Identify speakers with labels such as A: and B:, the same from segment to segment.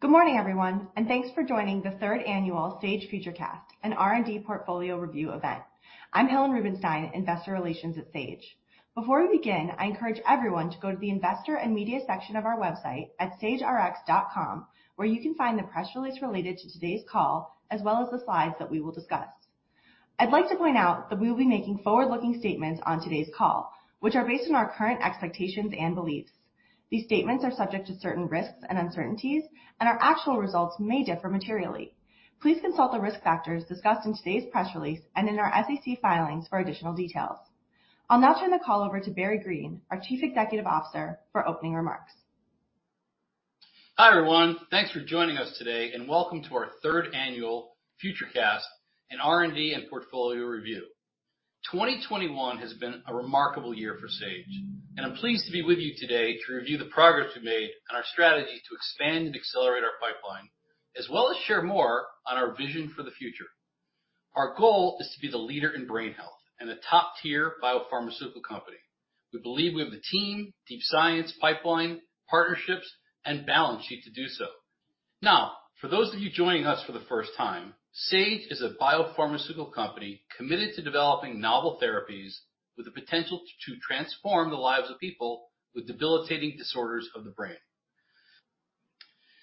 A: Good morning, everyone, and thanks for joining the third annual Sage FutureCast, an R&D portfolio review event. I'm Helen Rubinstein, Investor Relations at Sage. Before we begin, I encourage everyone to go to the investor and media section of our website at sagerx.com, where you can find the press release related to today's call, as well as the slides that we will discuss. I'd like to point out that we will be making forward-looking statements on today's call, which are based on our current expectations and beliefs. These statements are subject to certain risks and uncertainties, and our actual results may differ materially. Please consult the risk factors discussed in today's press release and in our SEC filings for additional details. I'll now turn the call over to Barry Greene, our Chief Executive Officer, for opening remarks.
B: Hi, everyone. Thanks for joining us today, and welcome to our third annual FutureCast, an R&D and portfolio review. 2021 has been a remarkable year for Sage, and I'm pleased to be with you today to review the progress we made on our strategy to expand and accelerate our pipeline, as well as share more on our vision for the future. Our goal is to be the leader in brain health and a top-tier biopharmaceutical company. We believe we have the team, deep science, pipeline, partnerships, and balance sheet to do so. Now, for those of you joining us for the first time, Sage is a biopharmaceutical company committed to developing novel therapies with the potential to transform the lives of people with debilitating disorders of the brain.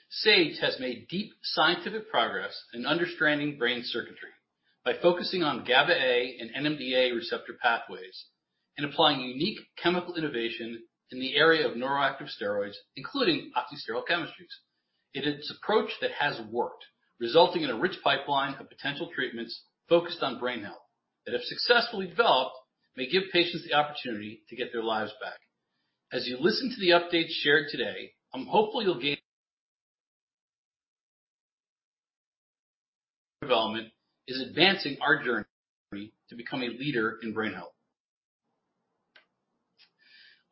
B: Sage has made deep scientific progress in understanding brain circuitry by focusing on GABA-A and NMDA receptor pathways and applying unique chemical innovation in the area of neuroactive steroids, including oxysterol chemistries. It is this approach that has worked, resulting in a rich pipeline of potential treatments focused on brain health that, if successfully developed, may give patients the opportunity to get their lives back. As you listen to the updates shared today, I'm hopeful you'll gain. Development is advancing our journey to become a leader in brain health.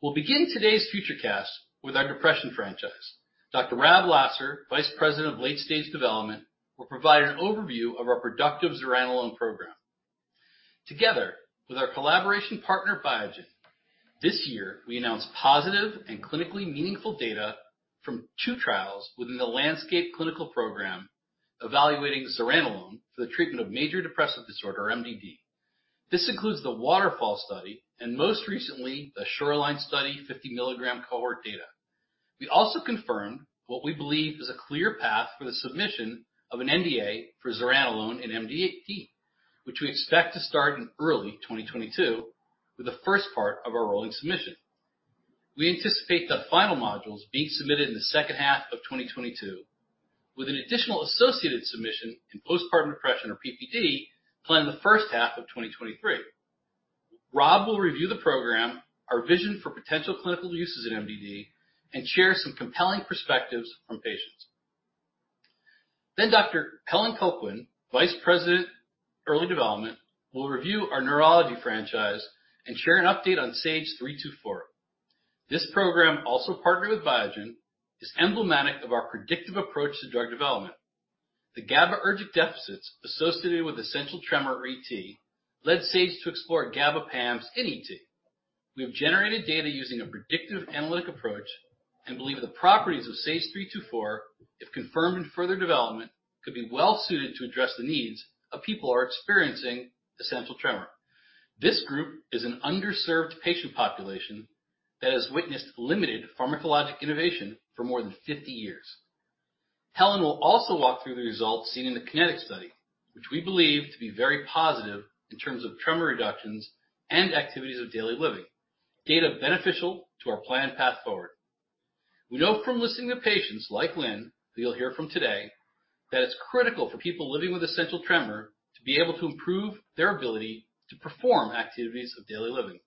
B: We'll begin today's FutureCast with our depression franchise. Dr. Rob Lasser, Vice President of Late Stage Development, will provide an overview of our productive zuranolone program. Together with our collaboration partner, Biogen, this year, we announced positive and clinically meaningful data from two trials within the LANDSCAPE clinical program evaluating zuranolone for the treatment of major depressive disorder, MDD. This includes the WATERFALL study and most recently, the SHORELINE study 50 mg cohort data. We also confirmed what we believe is a clear path for the submission of an NDA for zuranolone in MDD, which we expect to start in early 2022 with the first part of our rolling submission. We anticipate the final modules being submitted in the second half of 2022, with an additional associated submission in postpartum depression or PPD planned the first half of 2023. Rob will review the program, our vision for potential clinical uses in MDD, and share some compelling perspectives from patients. Dr. Helen Colquhoun, Vice President, Early Development, will review our neurology franchise and share an update on SAGE-324. This program, also partnered with Biogen, is emblematic of our predictive approach to drug development. The GABAergic deficits associated with essential tremor, or ET, led Sage to explore GABA PAMs in ET. We have generated data using a predictive analytic approach and believe the properties of SAGE-324, if confirmed in further development, could be well suited to address the needs of people who are experiencing essential tremor. This group is an underserved patient population that has witnessed limited pharmacologic innovation for more than 50 years. Helen will also walk through the results seen in the KINETIC study, which we believe to be very positive in terms of tremor reductions and activities of daily living, data beneficial to our planned path forward. We know from listening to patients like Lynn, who you'll hear from today, that it's critical for people living with essential tremor to be able to improve their ability to perform activities of daily living.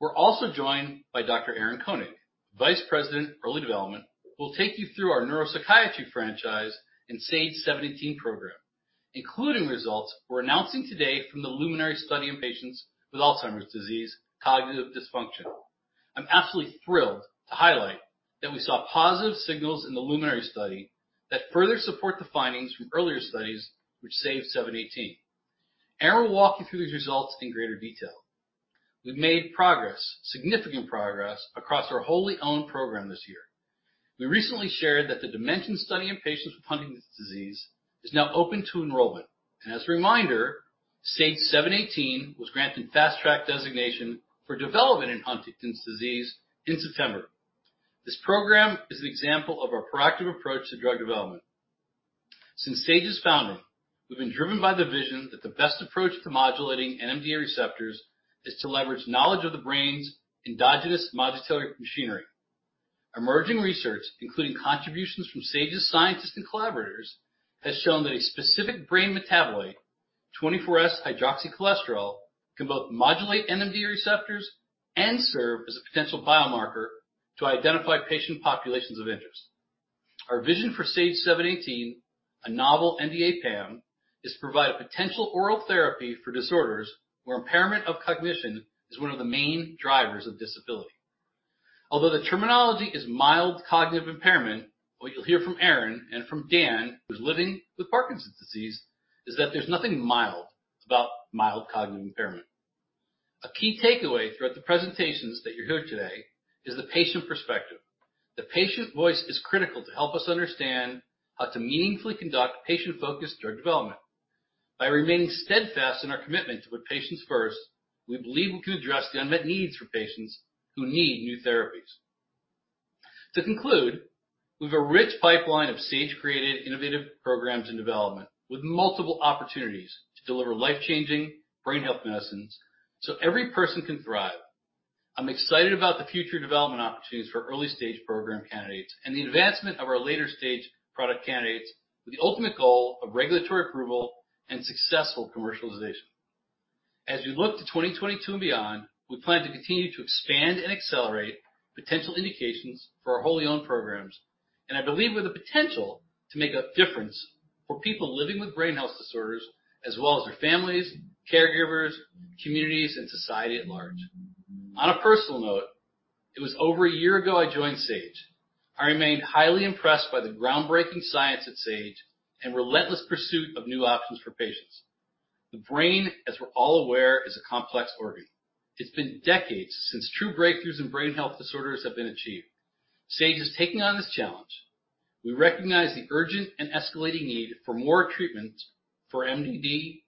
B: We're also joined by Dr. Aaron Koenig, Vice President, Early Development, who will take you through our neuropsychiatry franchise and SAGE-718 program, including results we're announcing today from the LUMINARY study in patients with Alzheimer's disease cognitive dysfunction. I'm absolutely thrilled to highlight that we saw positive signals in the LUMINARY study that further support the findings from earlier studies with SAGE-718. Aaron will walk you through these results in greater detail. We've made progress, significant progress, across our wholly owned program this year. We recently shared that the DIMENSION study in patients with Huntington's disease is now open to enrollment. As a reminder, SAGE-718 was granted fast track designation for development in Huntington's disease in September. This program is an example of our proactive approach to drug development. Since Sage's founding, we've been driven by the vision that the best approach to modulating NMDA receptors is to leverage knowledge of the brain's endogenous modulatory machinery. Emerging research, including contributions from Sage's scientists and collaborators, has shown that a specific brain metabolite, 24(S)-hydroxycholesterol, can both modulate NMDA receptors and serve as a potential biomarker to identify patient populations of interest. Our vision for SAGE-718, a novel NMDA PAM, is to provide a potential oral therapy for disorders where impairment of cognition is one of the main drivers of disability. Although the terminology is mild cognitive impairment, what you'll hear from Aaron and from Dan, who's living with Parkinson's disease, is that there's nothing mild about mild cognitive impairment. A key takeaway throughout the presentations that you're hearing today is the patient perspective. The patient voice is critical to help us understand how to meaningfully conduct patient-focused drug development. By remaining steadfast in our commitment to put patients first, we believe we can address the unmet needs for patients who need new therapies. To conclude, we have a rich pipeline of Sage created innovative programs in development with multiple opportunities to deliver life-changing brain health medicines so every person can thrive. I'm excited about the future development opportunities for early stage program candidates and the advancement of our later stage product candidates with the ultimate goal of regulatory approval and successful commercialization. As we look to 2022 and beyond, we plan to continue to expand and accelerate potential indications for our wholly owned programs, and I believe with the potential to make a difference for people living with brain health disorders as well as their families, caregivers, communities, and society at large. On a personal note, it was over a year ago I joined Sage. I remain highly impressed by the groundbreaking science at Sage and relentless pursuit of new options for patients. The brain, as we're all aware, is a complex organ. It's been decades since true breakthroughs in brain health disorders have been achieved. Sage is taking on this challenge. We recognize the urgent and escalating need for more treatments for MDD,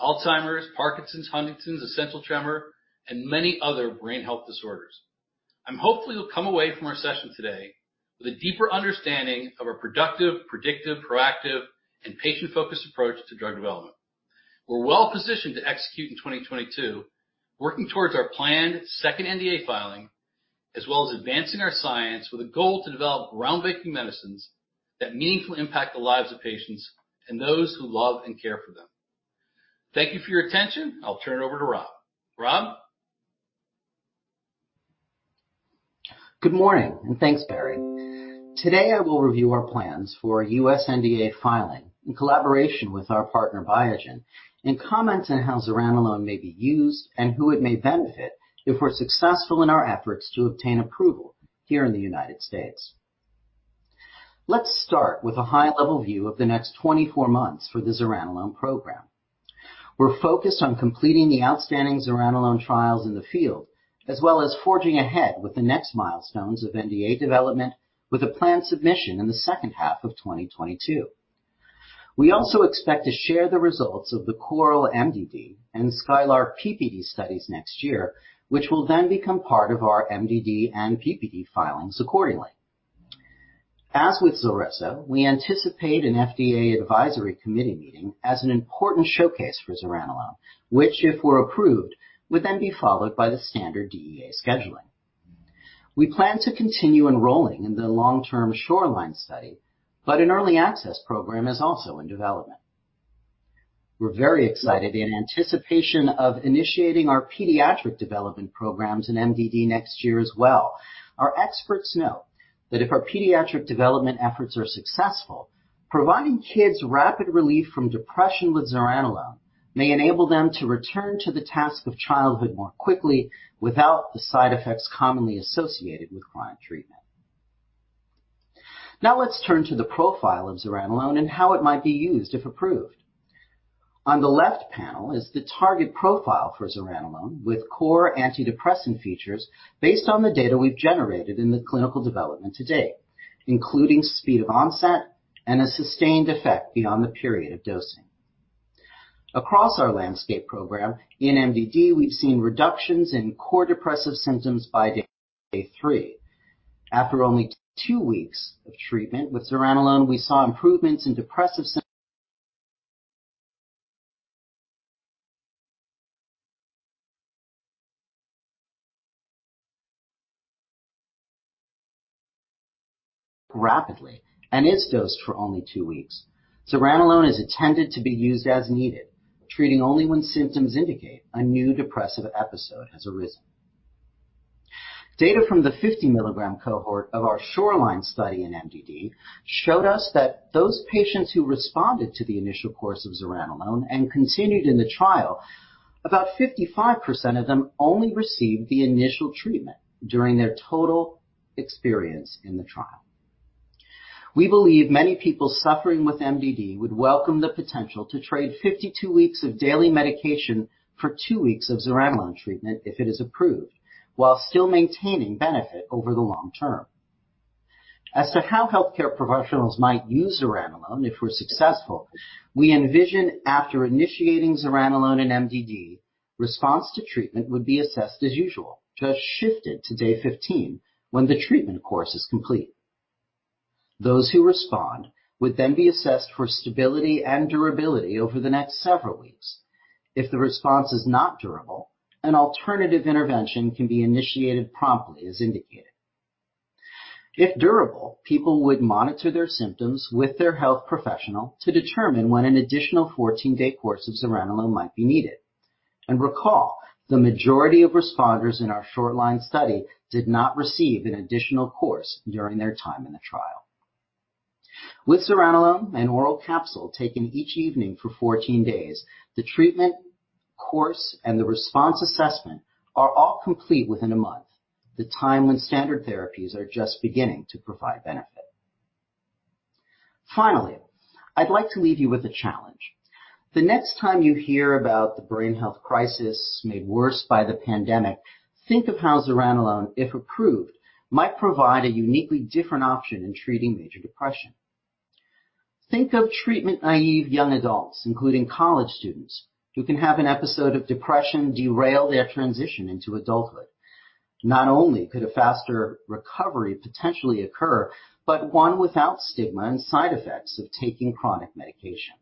B: Alzheimer's, Parkinson's, Huntington's, essential tremor, and many other brain health disorders. I'm hopeful you'll come away from our session today with a deeper understanding of our productive, predictive, proactive, and patient-focused approach to drug development. We're well-positioned to execute in 2022, working towards our planned second NDA filing, as well as advancing our science with a goal to develop groundbreaking medicines that meaningfully impact the lives of patients and those who love and care for them. Thank you for your attention. I'll turn it over to Rob. Rob.
C: Good morning, and thanks, Barry. Today, I will review our plans for U.S. NDA filing in collaboration with our partner, Biogen, and comment on how zuranolone may be used and who it may benefit if we're successful in our efforts to obtain approval here in the United States. Let's start with a high-level view of the next 24 months for the zuranolone program. We're focused on completing the outstanding zuranolone trials in the field, as well as forging ahead with the next milestones of NDA development with a planned submission in the second half of 2022. We also expect to share the results of the CORAL MDD and SKYLARK PPD studies next year, which will then become part of our MDD and PPD filings accordingly. As with Zulresso, we anticipate an FDA advisory committee meeting as an important showcase for zuranolone, which, if we're approved, would then be followed by the standard DEA scheduling. We plan to continue enrolling in the long-term SHORELINE study, but an early access program is also in development. We're very excited in anticipation of initiating our pediatric development programs in MDD next year as well. Our experts know that if our pediatric development efforts are successful, providing kids rapid relief from depression with zuranolone may enable them to return to the task of childhood more quickly without the side effects commonly associated with chronic treatment. Now, let's turn to the profile of zuranolone and how it might be used if approved. On the left panel is the target profile for zuranolone with core antidepressant features based on the data we've generated in the clinical development to date, including speed of onset and a sustained effect beyond the period of dosing. Across our LANDSCAPE program in MDD, we've seen reductions in core depressive symptoms by day three. After only two weeks of treatment with zuranolone, we saw improvements in depressive symptoms rapidly and is dosed for only two weeks. zuranolone is intended to be used as needed, treating only when symptoms indicate a new depressive episode has arisen. Data from the 50-milligram cohort of our SHORELINE study in MDD showed us that those patients who responded to the initial course of zuranolone and continued in the trial, about 55% of them only received the initial treatment during their total experience in the trial. We believe many people suffering with MDD would welcome the potential to trade 52 weeks of daily medication for two weeks of zuranolone treatment if it is approved while still maintaining benefit over the long term. As to how healthcare professionals might use zuranolone if we're successful, we envision after initiating zuranolone in MDD, response to treatment would be assessed as usual, just shifted to day 15 when the treatment course is complete. Those who respond would then be assessed for stability and durability over the next several weeks. If the response is not durable, an alternative intervention can be initiated promptly as indicated. If durable, people would monitor their symptoms with their health professional to determine when an additional 14-day course of zuranolone might be needed. Recall, the majority of responders in our SHORELINE study did not receive an additional course during their time in the trial. With zuranolone, an oral capsule taken each evening for 14 days, the treatment course and the response assessment are all complete within a month, the time when standard therapies are just beginning to provide benefit. Finally, I'd like to leave you with a challenge. The next time you hear about the brain health crisis made worse by the pandemic, think of how zuranolone, if approved, might provide a uniquely different option in treating major depression. Think of treatment-naive young adults, including college students, who can have an episode of depression derail their transition into adulthood. Not only could a faster recovery potentially occur, but one without stigma and side effects of taking chronic medication.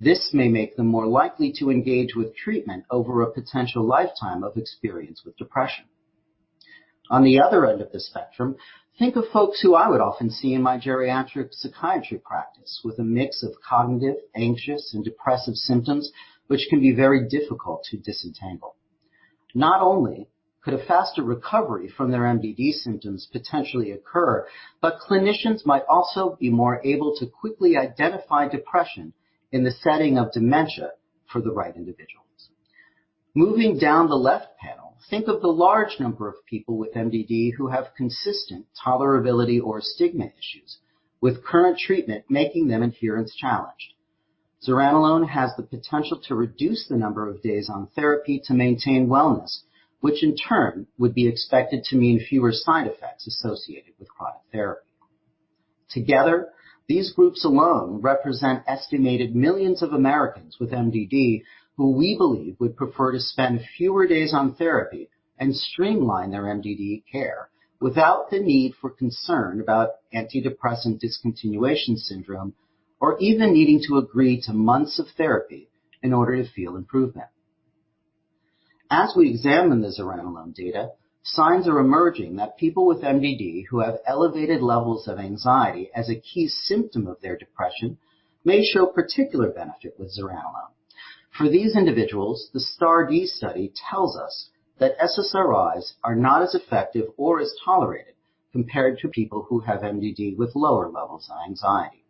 C: This may make them more likely to engage with treatment over a potential lifetime of experience with depression. On the other end of the spectrum, think of folks who I would often see in my geriatric psychiatry practice with a mix of cognitive, anxious, and depressive symptoms which can be very difficult to disentangle. Not only could a faster recovery from their MDD symptoms potentially occur, but clinicians might also be more able to quickly identify depression in the setting of dementia for the right individuals. Moving down the left panel, think of the large number of people with MDD who have consistent tolerability or stigma issues, with current treatment making them adherence-challenged. zuranolone has the potential to reduce the number of days on therapy to maintain wellness, which in turn would be expected to mean fewer side effects associated with chronic therapy. Together, these groups alone represent estimated millions of Americans with MDD who we believe would prefer to spend fewer days on therapy and streamline their MDD care without the need for concern about antidepressant discontinuation syndrome or even needing to agree to months of therapy in order to feel improvement. As we examine the zuranolone data, signs are emerging that people with MDD who have elevated levels of anxiety as a key symptom of their depression may show particular benefit with zuranolone. For these individuals, the STAR*D study tells us that SSRIs are not as effective or as tolerated compared to people who have MDD with lower levels of anxiety.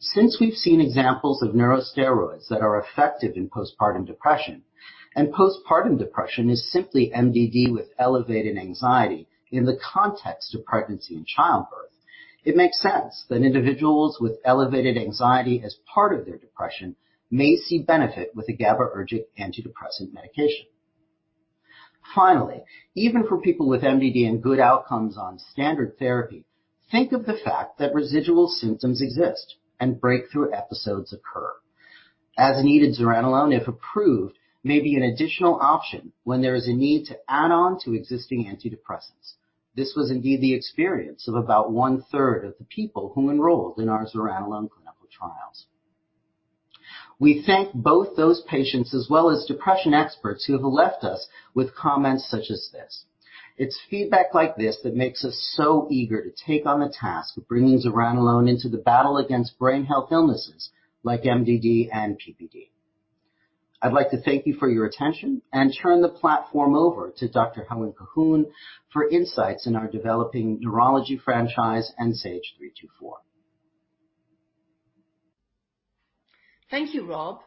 C: Since we've seen examples of neurosteroids that are effective in postpartum depression, and postpartum depression is simply MDD with elevated anxiety in the context of pregnancy and childbirth, it makes sense that individuals with elevated anxiety as part of their depression may see benefit with a GABAergic antidepressant medication. Finally, even for people with MDD and good outcomes on standard therapy, think of the fact that residual symptoms exist and breakthrough episodes occur. As needed, zuranolone, if approved, may be an additional option when there is a need to add on to existing antidepressants. This was indeed the experience of about 1/3 of the people who enrolled in our zuranolone clinical trials. We thank both those patients as well as depression experts who have left us with comments such as this. It's feedback like this that makes us so eager to take on the task of bringing zuranolone into the battle against brain health illnesses like MDD and PPD. I'd like to thank you for your attention and turn the platform over to Dr. Helen Colquhoun for insights in our developing neurology franchise and SAGE-324.
D: Thank you, Rob.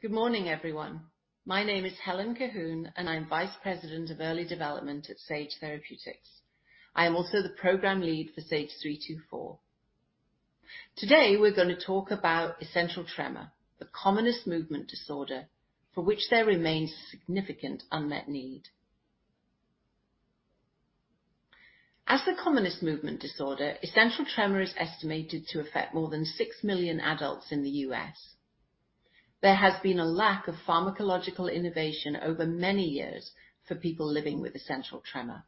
D: Good morning, everyone. My name is Helen Colquhoun, and I'm Vice President of Early Development at Sage Therapeutics. I am also the program lead for SAGE-324. Today, we're gonna talk about essential tremor, the commonest movement disorder for which there remains significant unmet need. As the commonest movement disorder, essential tremor is estimated to affect more than 6 million adults in the U.S. There has been a lack of pharmacological innovation over many years for people living with essential tremor.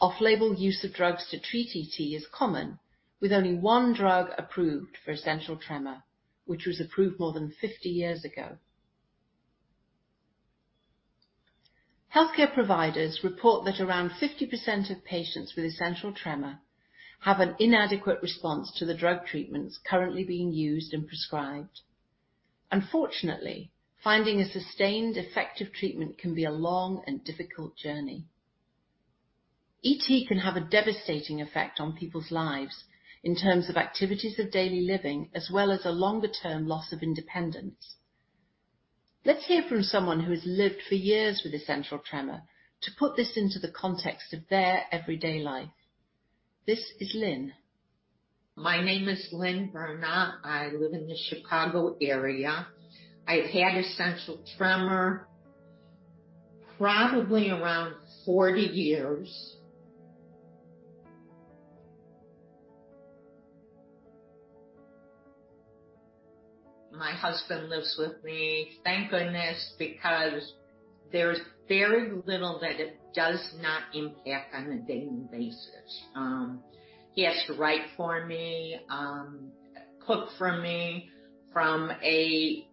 D: Off-label use of drugs to treat ET is common, with only one drug approved for essential tremor, which was approved more than 50 years ago. Healthcare providers report that around 50% of patients with essential tremor have an inadequate response to the drug treatments currently being used and prescribed. Unfortunately, finding a sustained effective treatment can be a long and difficult journey. ET can have a devastating effect on people's lives in terms of activities of daily living as well as a longer-term loss of independence. Let's hear from someone who has lived for years with essential tremor to put this into the context of their everyday life. This is Lynn.
E: My name is Lynn Bernot. I live in the Chicago area. I've had essential tremor probably around 40 years. My husband lives with me, thank goodness, because there's very little that it does not impact on a daily basis. He has to write for me, cook for me. From a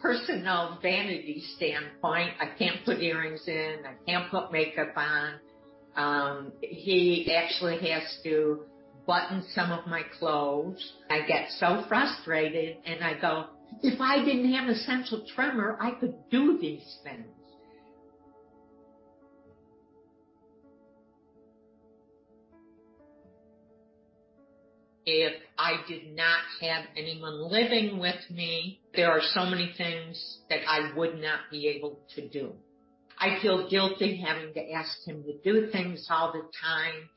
E: personal vanity standpoint, I can't put earrings in, I can't put makeup on. He actually has to button some of my clothes. I get so frustrated, and I go, "If I didn't have essential tremor, I could do these things." If I did not have anyone living with me, there are so many things that I would not be able to do. I feel guilty having to ask him to do things all the time,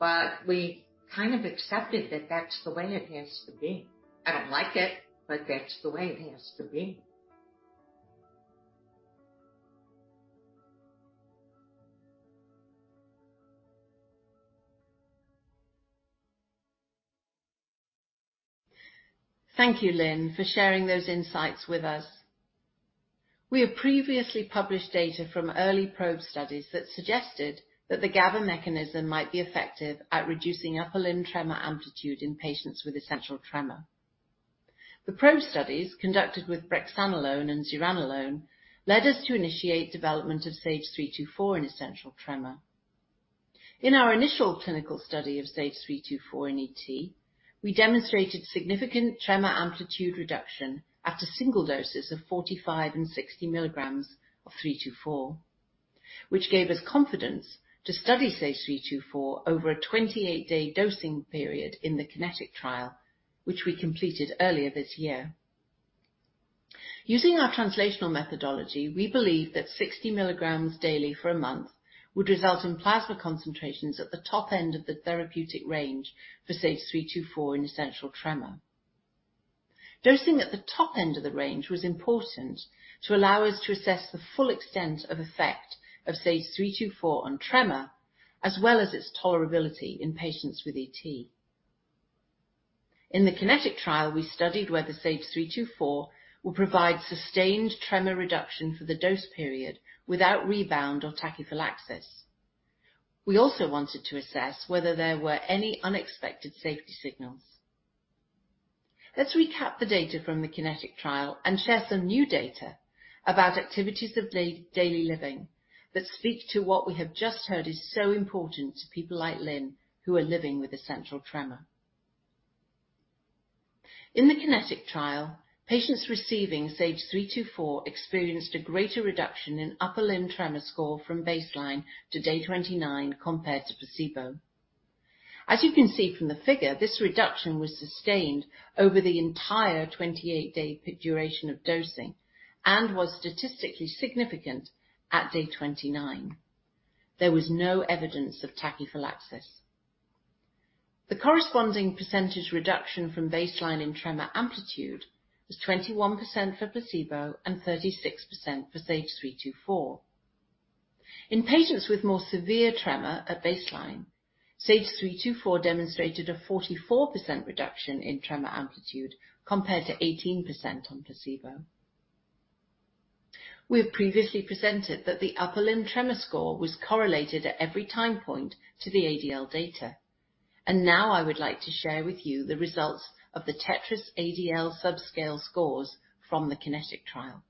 E: but we kind of accepted that that's the way it has to be. I don't like it, but that's the way it has to be.
D: Thank you, Lynn, for sharing those insights with us. We have previously published data from early probe studies that suggested that the GABA mechanism might be effective at reducing upper limb tremor amplitude in patients with essential tremor. The probe studies conducted with brexanolone and zuranolone led us to initiate development of SAGE-324 in essential tremor. In our initial clinical study of SAGE-324 in ET, we demonstrated significant tremor amplitude reduction after single doses of 45 mg and 60 mg of 324, which gave us confidence to study SAGE-324 over a 28-day dosing period in the KINETIC trial, which we completed earlier this year. Using our translational methodology, we believe that 60 mg daily for a month would result in plasma concentrations at the top end of the therapeutic range for SAGE-324 in essential tremor. Dosing at the top end of the range was important to allow us to assess the full extent of effect of SAGE-324 on tremor, as well as its tolerability in patients with ET. In the KINETIC trial, we studied whether SAGE-324 will provide sustained tremor reduction for the dose period without rebound or tachyphylaxis. We also wanted to assess whether there were any unexpected safety signals. Let's recap the data from the KINETIC trial and share some new data about activities of daily living that speak to what we have just heard is so important to people like Lynn, who are living with essential tremor. In the KINETIC trial, patients receiving SAGE-324 experienced a greater reduction in upper limb tremor score from baseline to day 29 compared to placebo. As you can see from the figure, this reduction was sustained over the entire 28-day duration of dosing and was statistically significant at day 29. There was no evidence of tachyphylaxis. The corresponding percentage reduction from baseline in tremor amplitude was 21% for placebo and 36% for SAGE-324. In patients with more severe tremor at baseline, SAGE-324 demonstrated a 44% reduction in tremor amplitude compared to 18% on placebo. We have previously presented that the upper limb tremor score was correlated at every time point to the ADL data, and now I would like to share with you the results of the TETRAS ADL subscale scores from the KINETIC trial.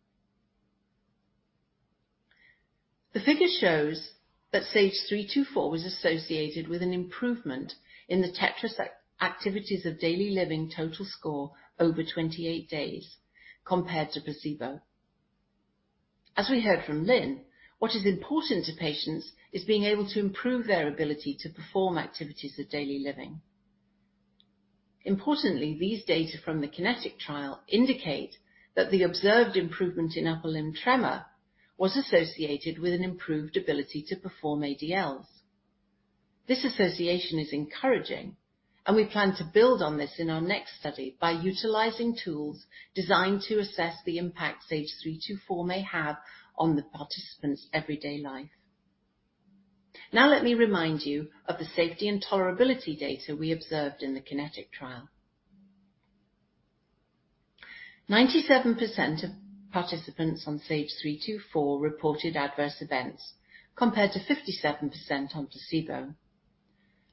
D: The figure shows that SAGE-324 was associated with an improvement in the TETRAS Activities of Daily Living total score over 28 days compared to placebo. As we heard from Lynn, what is important to patients is being able to improve their ability to perform activities of daily living. Importantly, these data from the KINETIC trial indicate that the observed improvement in upper limb tremor was associated with an improved ability to perform ADLs. This association is encouraging, and we plan to build on this in our next study by utilizing tools designed to assess the impact SAGE-324 may have on the participant's everyday life. Now, let me remind you of the safety and tolerability data we observed in the KINETIC trial. 97% of participants on SAGE-324 reported adverse events, compared to 57% on placebo.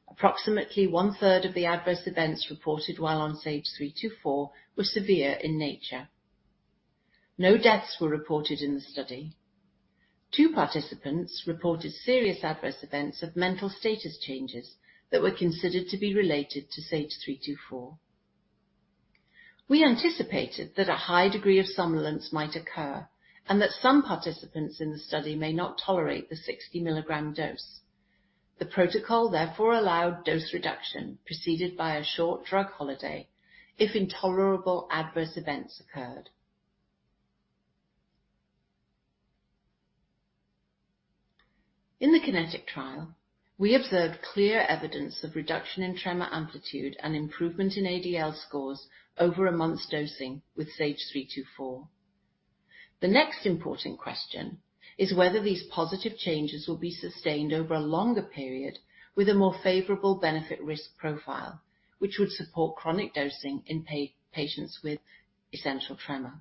D: Approximately one-third of the adverse events reported while on SAGE-324 were severe in nature. No deaths were reported in the study. Two participants reported serious adverse events of mental status changes that were considered to be related to SAGE-324. We anticipated that a high degree of somnolence might occur and that some participants in the study may not tolerate the 60-milligram dose. The protocol, therefore, allowed dose reduction preceded by a short drug holiday if intolerable adverse events occurred. In the KINETIC trial, we observed clear evidence of reduction in tremor amplitude and improvement in ADL scores over a month's dosing with SAGE-324. The next important question is whether these positive changes will be sustained over a longer period with a more favorable benefit risk profile, which would support chronic dosing in patients with essential tremor.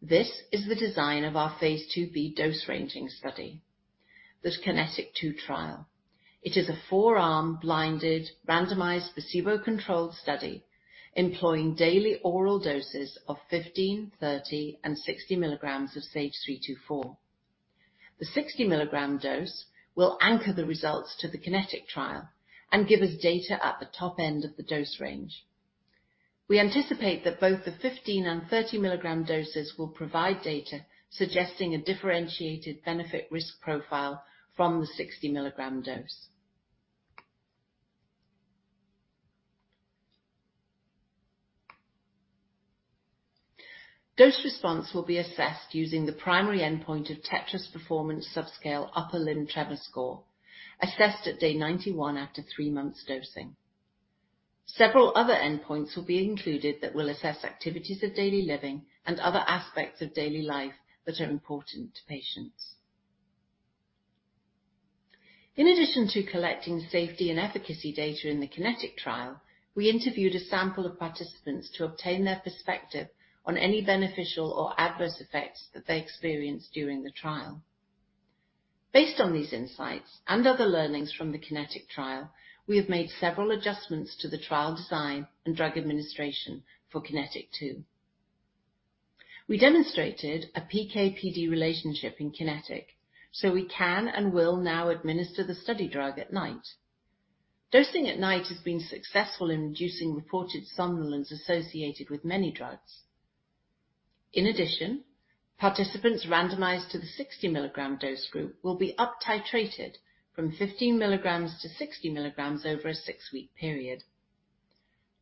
D: This is the design of our phase II-b dose-ranging study, the KINETIC 2 trial. It is a 4-arm, blinded, randomized, placebo-controlled study employing daily oral doses of 15 mg, 30 mg, and 60 mg of SAGE-324. The 60 mg dose will anchor the results to the KINETIC trial and give us data at the top end of the dose range. We anticipate that both the 15 mg and 30 mg doses will provide data suggesting a differentiated benefit risk profile from the 60 mg dose. Dose response will be assessed using the primary endpoint of TETRAS Performance Subscale upper limb tremor score, assessed at day 91 after three months dosing. Several other endpoints will be included that will assess activities of daily living and other aspects of daily life that are important to patients. In addition to collecting safety and efficacy data in the KINETIC trial, we interviewed a sample of participants to obtain their perspective on any beneficial or adverse effects that they experienced during the trial. Based on these insights and other learnings from the KINETIC trial, we have made several adjustments to the trial design and drug administration for KINETIC 2. We demonstrated a PK/PD relationship in KINETIC, so we can and will now administer the study drug at night. Dosing at night has been successful in reducing reported somnolence associated with many drugs. In addition, participants randomized to the 60 mg dose group will be uptitrated from 15 mg to 60 mg over a six-week period.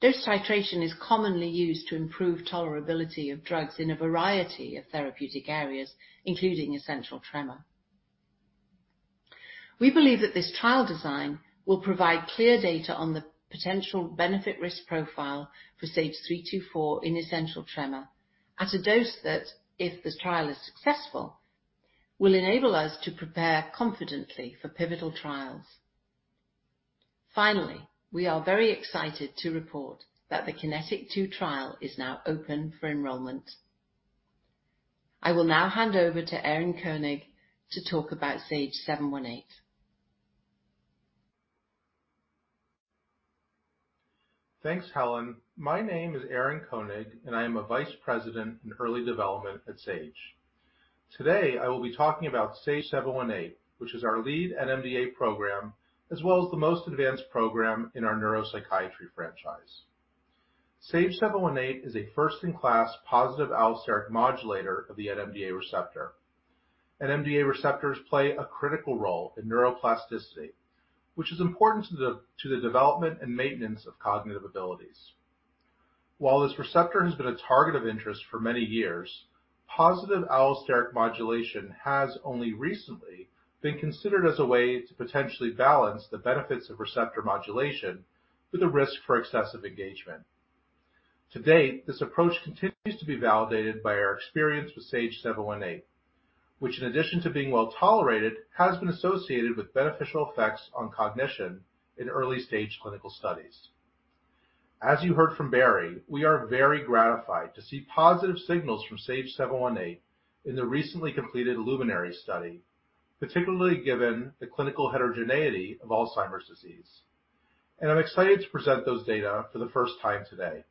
D: Dose titration is commonly used to improve tolerability of drugs in a variety of therapeutic areas, including essential tremor. We believe that this trial design will provide clear data on the potential benefit-risk profile for SAGE-324 in essential tremor at a dose that, if this trial is successful, will enable us to prepare confidently for pivotal trials. Finally, we are very excited to report that the KINETIC 2 trial is now open for enrollment. I will now hand over to Aaron Koenig to talk about SAGE-718.
F: Thanks, Helen. My name is Aaron Koenig, and I am a vice president in early development at Sage. Today, I will be talking about SAGE-718, which is our lead NMDA program as well as the most advanced program in our neuropsychiatry franchise. SAGE-718 is a first-in-class positive allosteric modulator of the NMDA receptor. NMDA receptors play a critical role in neuroplasticity, which is important to the development and maintenance of cognitive abilities. While this receptor has been a target of interest for many years, positive allosteric modulation has only recently been considered as a way to potentially balance the benefits of receptor modulation with the risk for excessive engagement. To date, this approach continues to be validated by our experience with SAGE-718, which in addition to being well-tolerated, has been associated with beneficial effects on cognition in early-stage clinical studies. As you heard from Barry, we are very gratified to see positive signals from SAGE-718 in the recently completed LUMINARY study, particularly given the clinical heterogeneity of Alzheimer's disease. I'm excited to present those data for the first time today.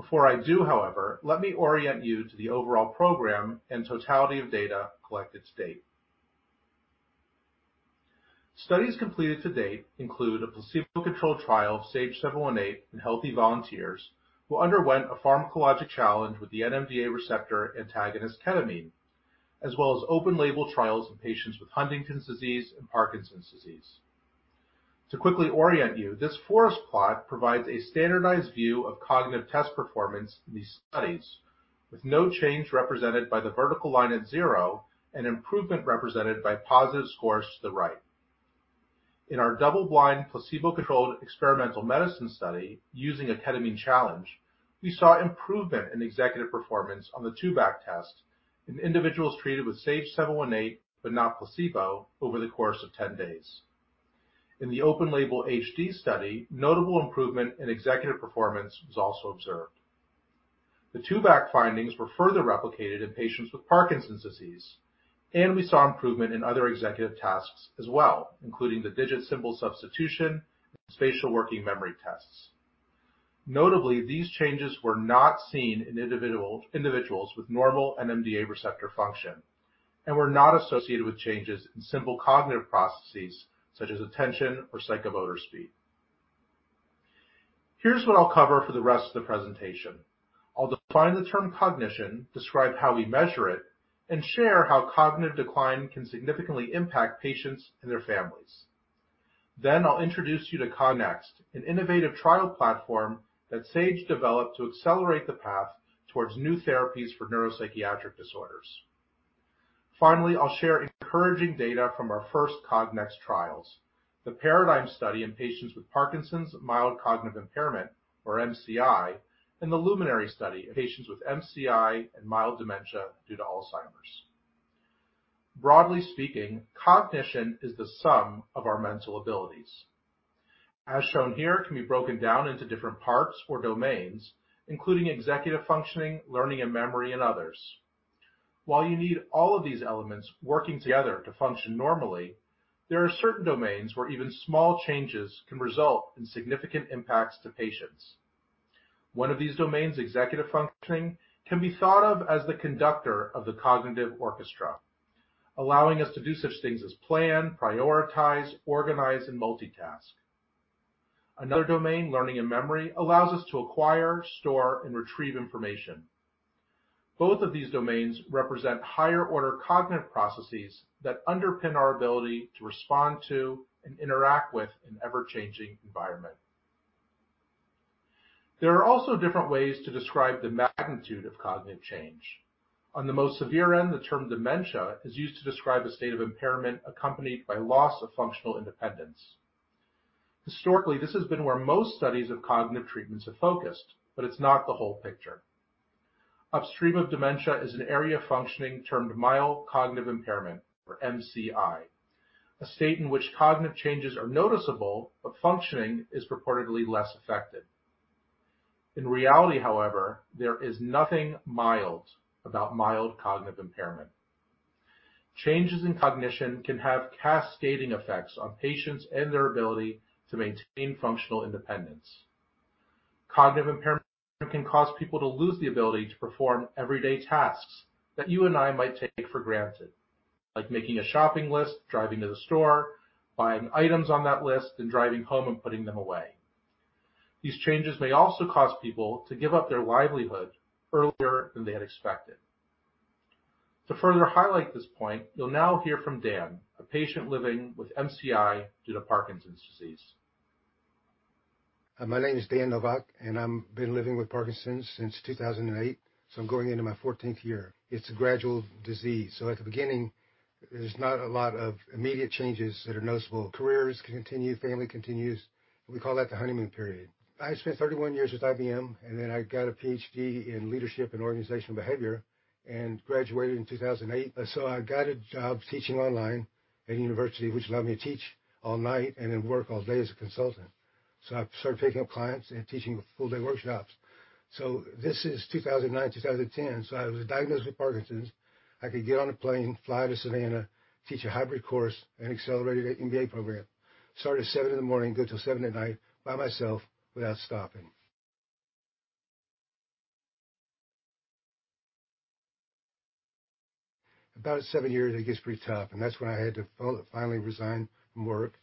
F: Before I do, however, let me orient you to the overall program and totality of data collected to date. Studies completed to date include a placebo-controlled trial of SAGE-718 in healthy volunteers who underwent a pharmacologic challenge with the NMDA receptor antagonist ketamine, as well as open label trials in patients with Huntington's disease and Parkinson's disease. To quickly orient you, this forest plot provides a standardized view of cognitive test performance in these studies, with no change represented by the vertical line at zero and improvement represented by positive scores to the right. In our double-blind placebo-controlled experimental medicine study using a ketamine challenge, we saw improvement in executive performance on the Two-Back test in individuals treated with SAGE-718, but not placebo over the course of 10 days. In the open-label HD study, notable improvement in executive performance was also observed. The Tubac findings were further replicated in patients with Parkinson's disease, and we saw improvement in other executive tasks as well, including the Digit Symbol Substitution and spatial working memory tests. Notably, these changes were not seen in individuals with normal NMDA receptor function and were not associated with changes in simple cognitive processes such as attention or psychomotor speed. Here's what I'll cover for the rest of the presentation. I'll define the term cognition, describe how we measure it, and share how cognitive decline can significantly impact patients and their families. I'll introduce you to CogNEXT, an innovative trial platform that Sage developed to accelerate the path towards new therapies for neuropsychiatric disorders. Finally, I'll share encouraging data from our first CogNEXT trials, the PARADIGM study in patients with Parkinson's, mild cognitive impairment or MCI, and the LUMINARY study in patients with MCI and mild dementia due to Alzheimer's. Broadly speaking, cognition is the sum of our mental abilities. As shown here, it can be broken down into different parts or domains, including executive functioning, learning and memory, and others. While you need all of these elements working together to function normally, there are certain domains where even small changes can result in significant impacts to patients. One of these domains, executive functioning, can be thought of as the conductor of the cognitive orchestra, allowing us to do such things as plan, prioritize, organize, and multitask. Another domain, learning and memory, allows us to acquire, store, and retrieve information. Both of these domains represent higher order cognitive processes that underpin our ability to respond to and interact with an ever-changing environment. There are also different ways to describe the magnitude of cognitive change. On the most severe end, the term dementia is used to describe a state of impairment accompanied by loss of functional independence. Historically, this has been where most studies of cognitive treatments have focused, but it's not the whole picture. Upstream of dementia is an area of functioning termed mild cognitive impairment, or MCI, a state in which cognitive changes are noticeable but functioning is reportedly less affected. In reality, however, there is nothing mild about mild cognitive impairment. Changes in cognition can have cascading effects on patients and their ability to maintain functional independence. Cognitive impairment can cause people to lose the ability to perform everyday tasks that you and I might take for granted, like making a shopping list, driving to the store, buying items on that list, then driving home and putting them away. These changes may also cause people to give up their livelihood earlier than they had expected. To further highlight this point, you'll now hear from Dan, a patient living with MCI due to Parkinson's disease.
G: My name is Dan Novak, and I've been living with Parkinson's since 2008, so I'm going into my 14th year. It's a gradual disease. At the beginning, there's not a lot of immediate changes that are noticeable. Careers continue, family continues. We call that the honeymoon period. I spent 31 years with IBM, and then I got a Ph.D. in leadership and organizational behavior and graduated in 2008. I got a job teaching online at a university which allowed me to teach all night and then work all day as a consultant. I started picking up clients and teaching full-day workshops. This is 2009, 2010. I was diagnosed with Parkinson's. I could get on a plane, fly to Savannah, teach a hybrid course and accelerated M.B.A. program. Start at 7 A.M., go till 7 P.M. by myself without stopping. About seven years, it gets pretty tough, and that's when I had to finally resign from work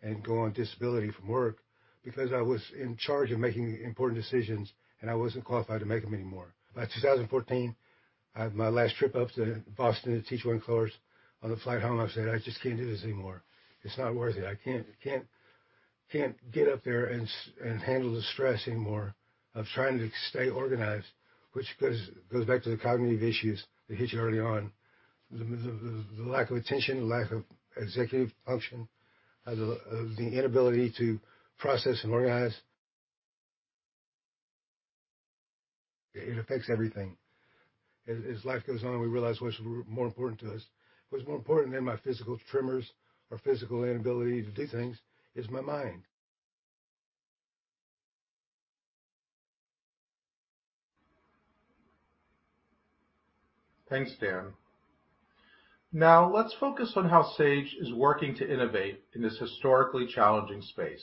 G: and go on disability from work because I was in charge of making important decisions, and I wasn't qualified to make them anymore. By 2014, I had my last trip up to Boston to teach one course. On the flight home, I said, "I just can't do this anymore. It's not worth it. I can't get up there and handle the stress anymore of trying to stay organized," which goes back to the cognitive issues that hit you early on. The lack of attention, lack of executive function, the inability to process and organize. It affects everything. As life goes on, we realize what's more important to us. What's more important than my physical tremors or physical inability to do things is my mind.
F: Thanks, Dan. Now let's focus on how Sage is working to innovate in this historically challenging space.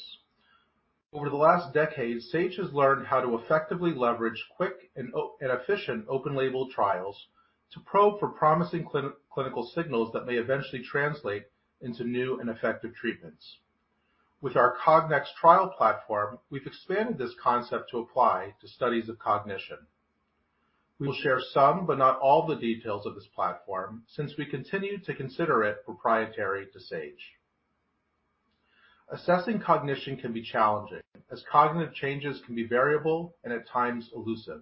F: Over the last decade, Sage has learned how to effectively leverage quick and efficient open label trials to probe for promising clinical signals that may eventually translate into new and effective treatments. With our CogNEXT trial platform, we've expanded this concept to apply to studies of cognition. We will share some but not all the details of this platform since we continue to consider it proprietary to Sage. Assessing cognition can be challenging as cognitive changes can be variable and at times elusive.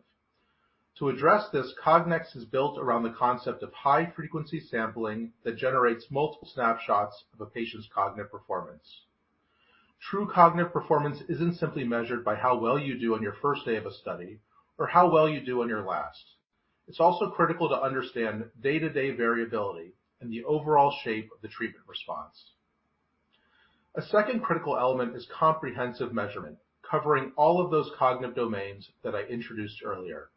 F: To address this, CogNEXT is built around the concept of high-frequency sampling that generates multiple snapshots of a patient's cognitive performance. True cognitive performance isn't simply measured by how well you do on your first day of a study or how well you do on your last. It's also critical to understand day-to-day variability and the overall shape of the treatment response. A second critical element is comprehensive measurement, covering all of those cognitive domains that I introduced earlier.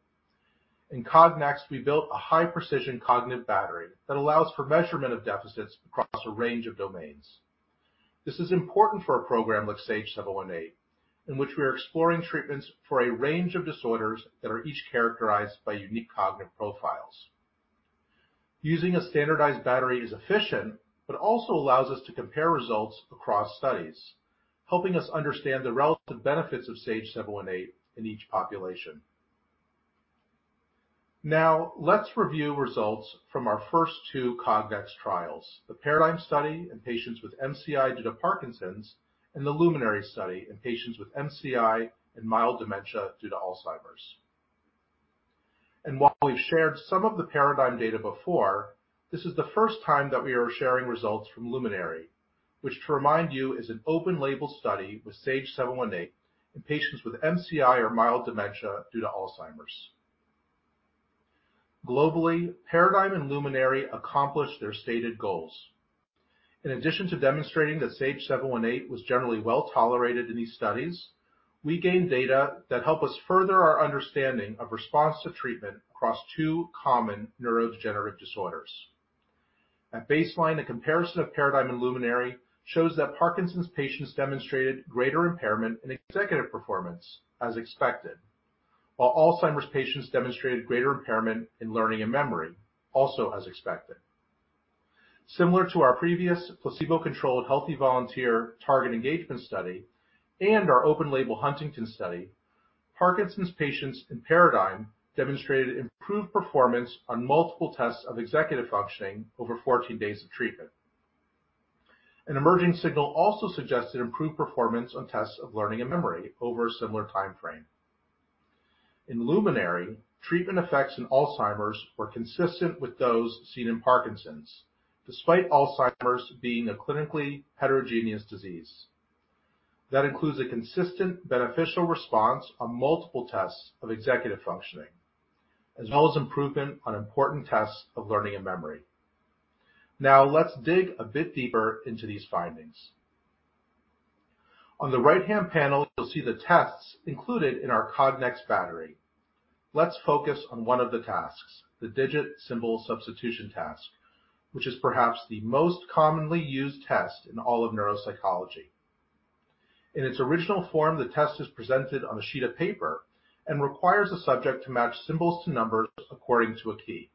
F: In CogNEXT, we built a high-precision cognitive battery that allows for measurement of deficits across a range of domains. This is important for a program like SAGE-718, in which we are exploring treatments for a range of disorders that are each characterized by unique cognitive profiles. Using a standardized battery is efficient, but also allows us to compare results across studies, helping us understand the relative benefits of SAGE-718 in each population. Now, let's review results from our first two CogNEXT trials, the PARADIGM study in patients with MCI due to Parkinson's, and the LUMINARY study in patients with MCI and mild dementia due to Alzheimer's. While we've shared some of the PARADIGM data before, this is the first time that we are sharing results from LUMINARY, which to remind you is an open-label study with SAGE-718 in patients with MCI or mild dementia due to Alzheimer's. Globally, PARADIGM and LUMINARY accomplished their stated goals. In addition to demonstrating that SAGE-718 was generally well-tolerated in these studies, we gained data that help us further our understanding of response to treatment across two common neurodegenerative disorders. At baseline, a comparison of PARADIGM and LUMINARY shows that Parkinson's patients demonstrated greater impairment in executive performance as expected. While Alzheimer's patients demonstrated greater impairment in learning and memory, also as expected. Similar to our previous placebo-controlled healthy volunteer target engagement study and our open-label Huntington study, Parkinson's patients in PARADIGM demonstrated improved performance on multiple tests of executive functioning over 14 days of treatment. An emerging signal also suggested improved performance on tests of learning and memory over a similar timeframe. In LUMINARY, treatment effects in Alzheimer's were consistent with those seen in Parkinson's, despite Alzheimer's being a clinically heterogeneous disease. That includes a consistent beneficial response on multiple tests of executive functioning, as well as improvement on important tests of learning and memory. Now let's dig a bit deeper into these findings. On the right-hand panel, you'll see the tests included in our CogNEXT battery. Let's focus on one of the tasks, the Digit Symbol Substitution Task, which is perhaps the most commonly used test in all of neuropsychology. In its original form, the test is presented on a sheet of paper and requires the subject to match symbols to numbers according to a key.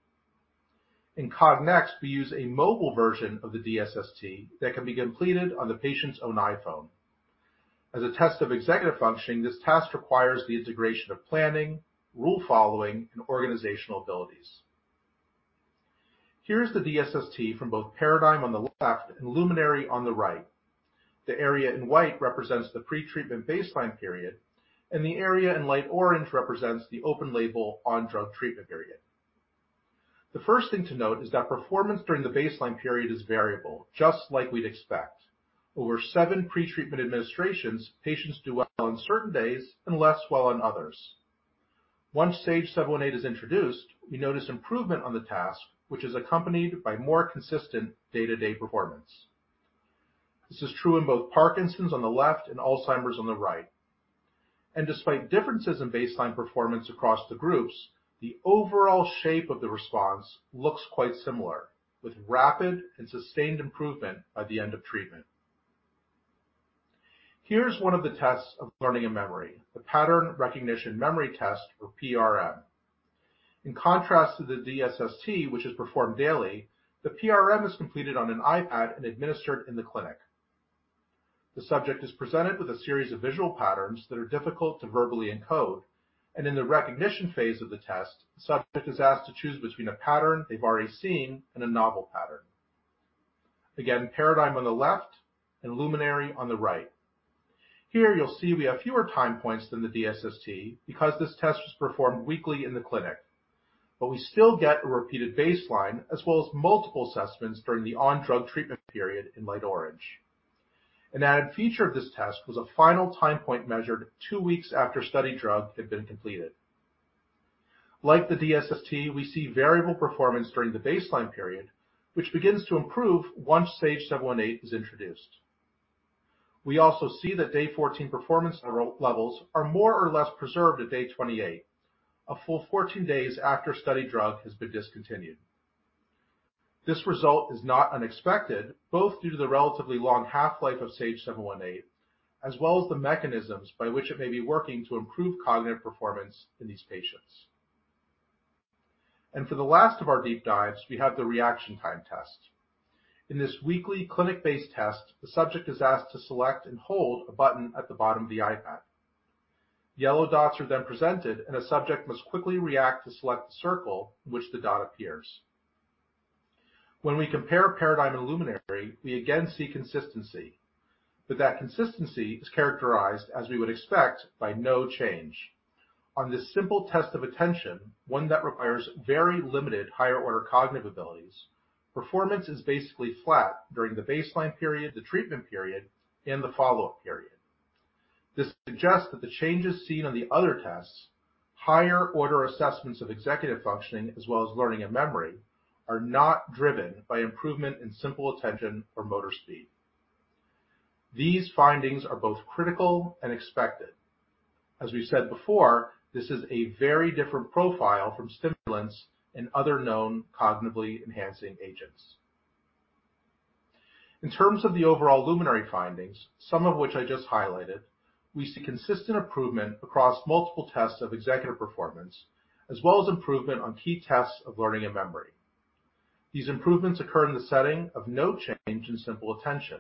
F: In CogNEXT, we use a mobile version of the DSST that can be completed on the patient's own iPhone. As a test of executive functioning, this task requires the integration of planning, rule following, and organizational abilities. Here's the DSST from both PARADIGM on the left and LUMINARY on the right. The area in white represents the pretreatment baseline period, and the area in light orange represents the open label on drug treatment period. The first thing to note is that performance during the baseline period is variable just like we'd expect. Over seven pretreatment administrations, patients do well on certain days and less well on others. Once SAGE-718 is introduced, we notice improvement on the task, which is accompanied by more consistent day-to-day performance. This is true in both Parkinson's on the left and Alzheimer's on the right. Despite differences in baseline performance across the groups, the overall shape of the response looks quite similar, with rapid and sustained improvement by the end of treatment. Here's one of the tests of learning and memory, the pattern recognition memory test or PRM. In contrast to the DSST, which is performed daily, the PRM is completed on an iPad and administered in the clinic. The subject is presented with a series of visual patterns that are difficult to verbally encode. In the recognition phase of the test, the subject is asked to choose between a pattern they've already seen and a novel pattern. Again, PARADIGM on the left and LUMINARY on the right. Here you'll see we have fewer time points than the DSST because this test was performed weekly in the clinic. We still get a repeated baseline as well as multiple assessments during the on-drug treatment period in light orange. An added feature of this test was a final time point measured two weeks after study drug had been completed. Like the DSST, we see variable performance during the baseline period, which begins to improve once SAGE-718 is introduced. We also see that day 14 performance levels are more or less preserved at day 28, a full 14 days after study drug has been discontinued. This result is not unexpected, both due to the relatively long half-life of SAGE-718, as well as the mechanisms by which it may be working to improve cognitive performance in these patients. For the last of our deep dives, we have the reaction time test. In this weekly clinic-based test, the subject is asked to select and hold a button at the bottom of the iPad. Yellow dots are then presented, and a subject must quickly react to select the circle in which the dot appears. When we compare PARADIGM and LUMINARY, we again see consistency, but that consistency is characterized as we would expect by no change. On this simple test of attention, one that requires very limited higher order cognitive abilities, performance is basically flat during the baseline period, the treatment period, and the follow-up period. This suggests that the changes seen on the other tests, higher order assessments of executive functioning as well as learning and memory, are not driven by improvement in simple attention or motor speed. These findings are both critical and expected. As we said before, this is a very different profile from stimulants and other known cognitively enhancing agents. In terms of the overall LUMINARY findings, some of which I just highlighted, we see consistent improvement across multiple tests of executive performance, as well as improvement on key tests of learning and memory. These improvements occur in the setting of no change in simple attention.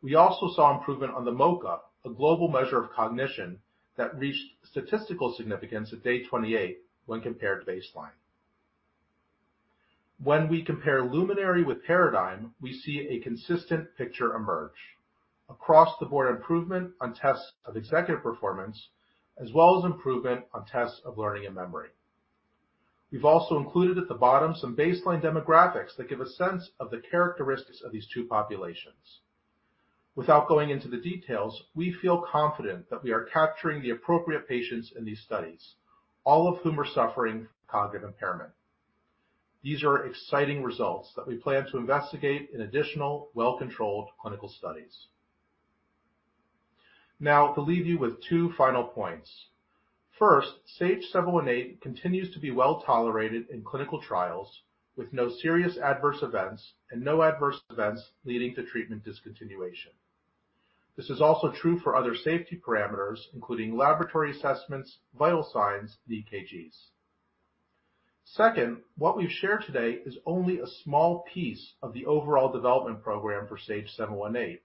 F: We also saw improvement on the MoCA, a global measure of cognition that reached statistical significance at day 28 when compared to baseline. When we compare LUMINARY with PARADIGM, we see a consistent picture emerge. Across the board improvement on tests of executive performance, as well as improvement on tests of learning and memory. We've also included at the bottom some baseline demographics that give a sense of the characteristics of these two populations. Without going into the details, we feel confident that we are capturing the appropriate patients in these studies, all of whom are suffering cognitive impairment. These are exciting results that we plan to investigate in additional well-controlled clinical studies. Now, I'll leave you with two final points. First, SAGE-718 continues to be well-tolerated in clinical trials with no serious adverse events and no adverse events leading to treatment discontinuation. This is also true for other safety parameters, including laboratory assessments, vital signs, EKGs. Second, what we've shared today is only a small piece of the overall development program for SAGE-718,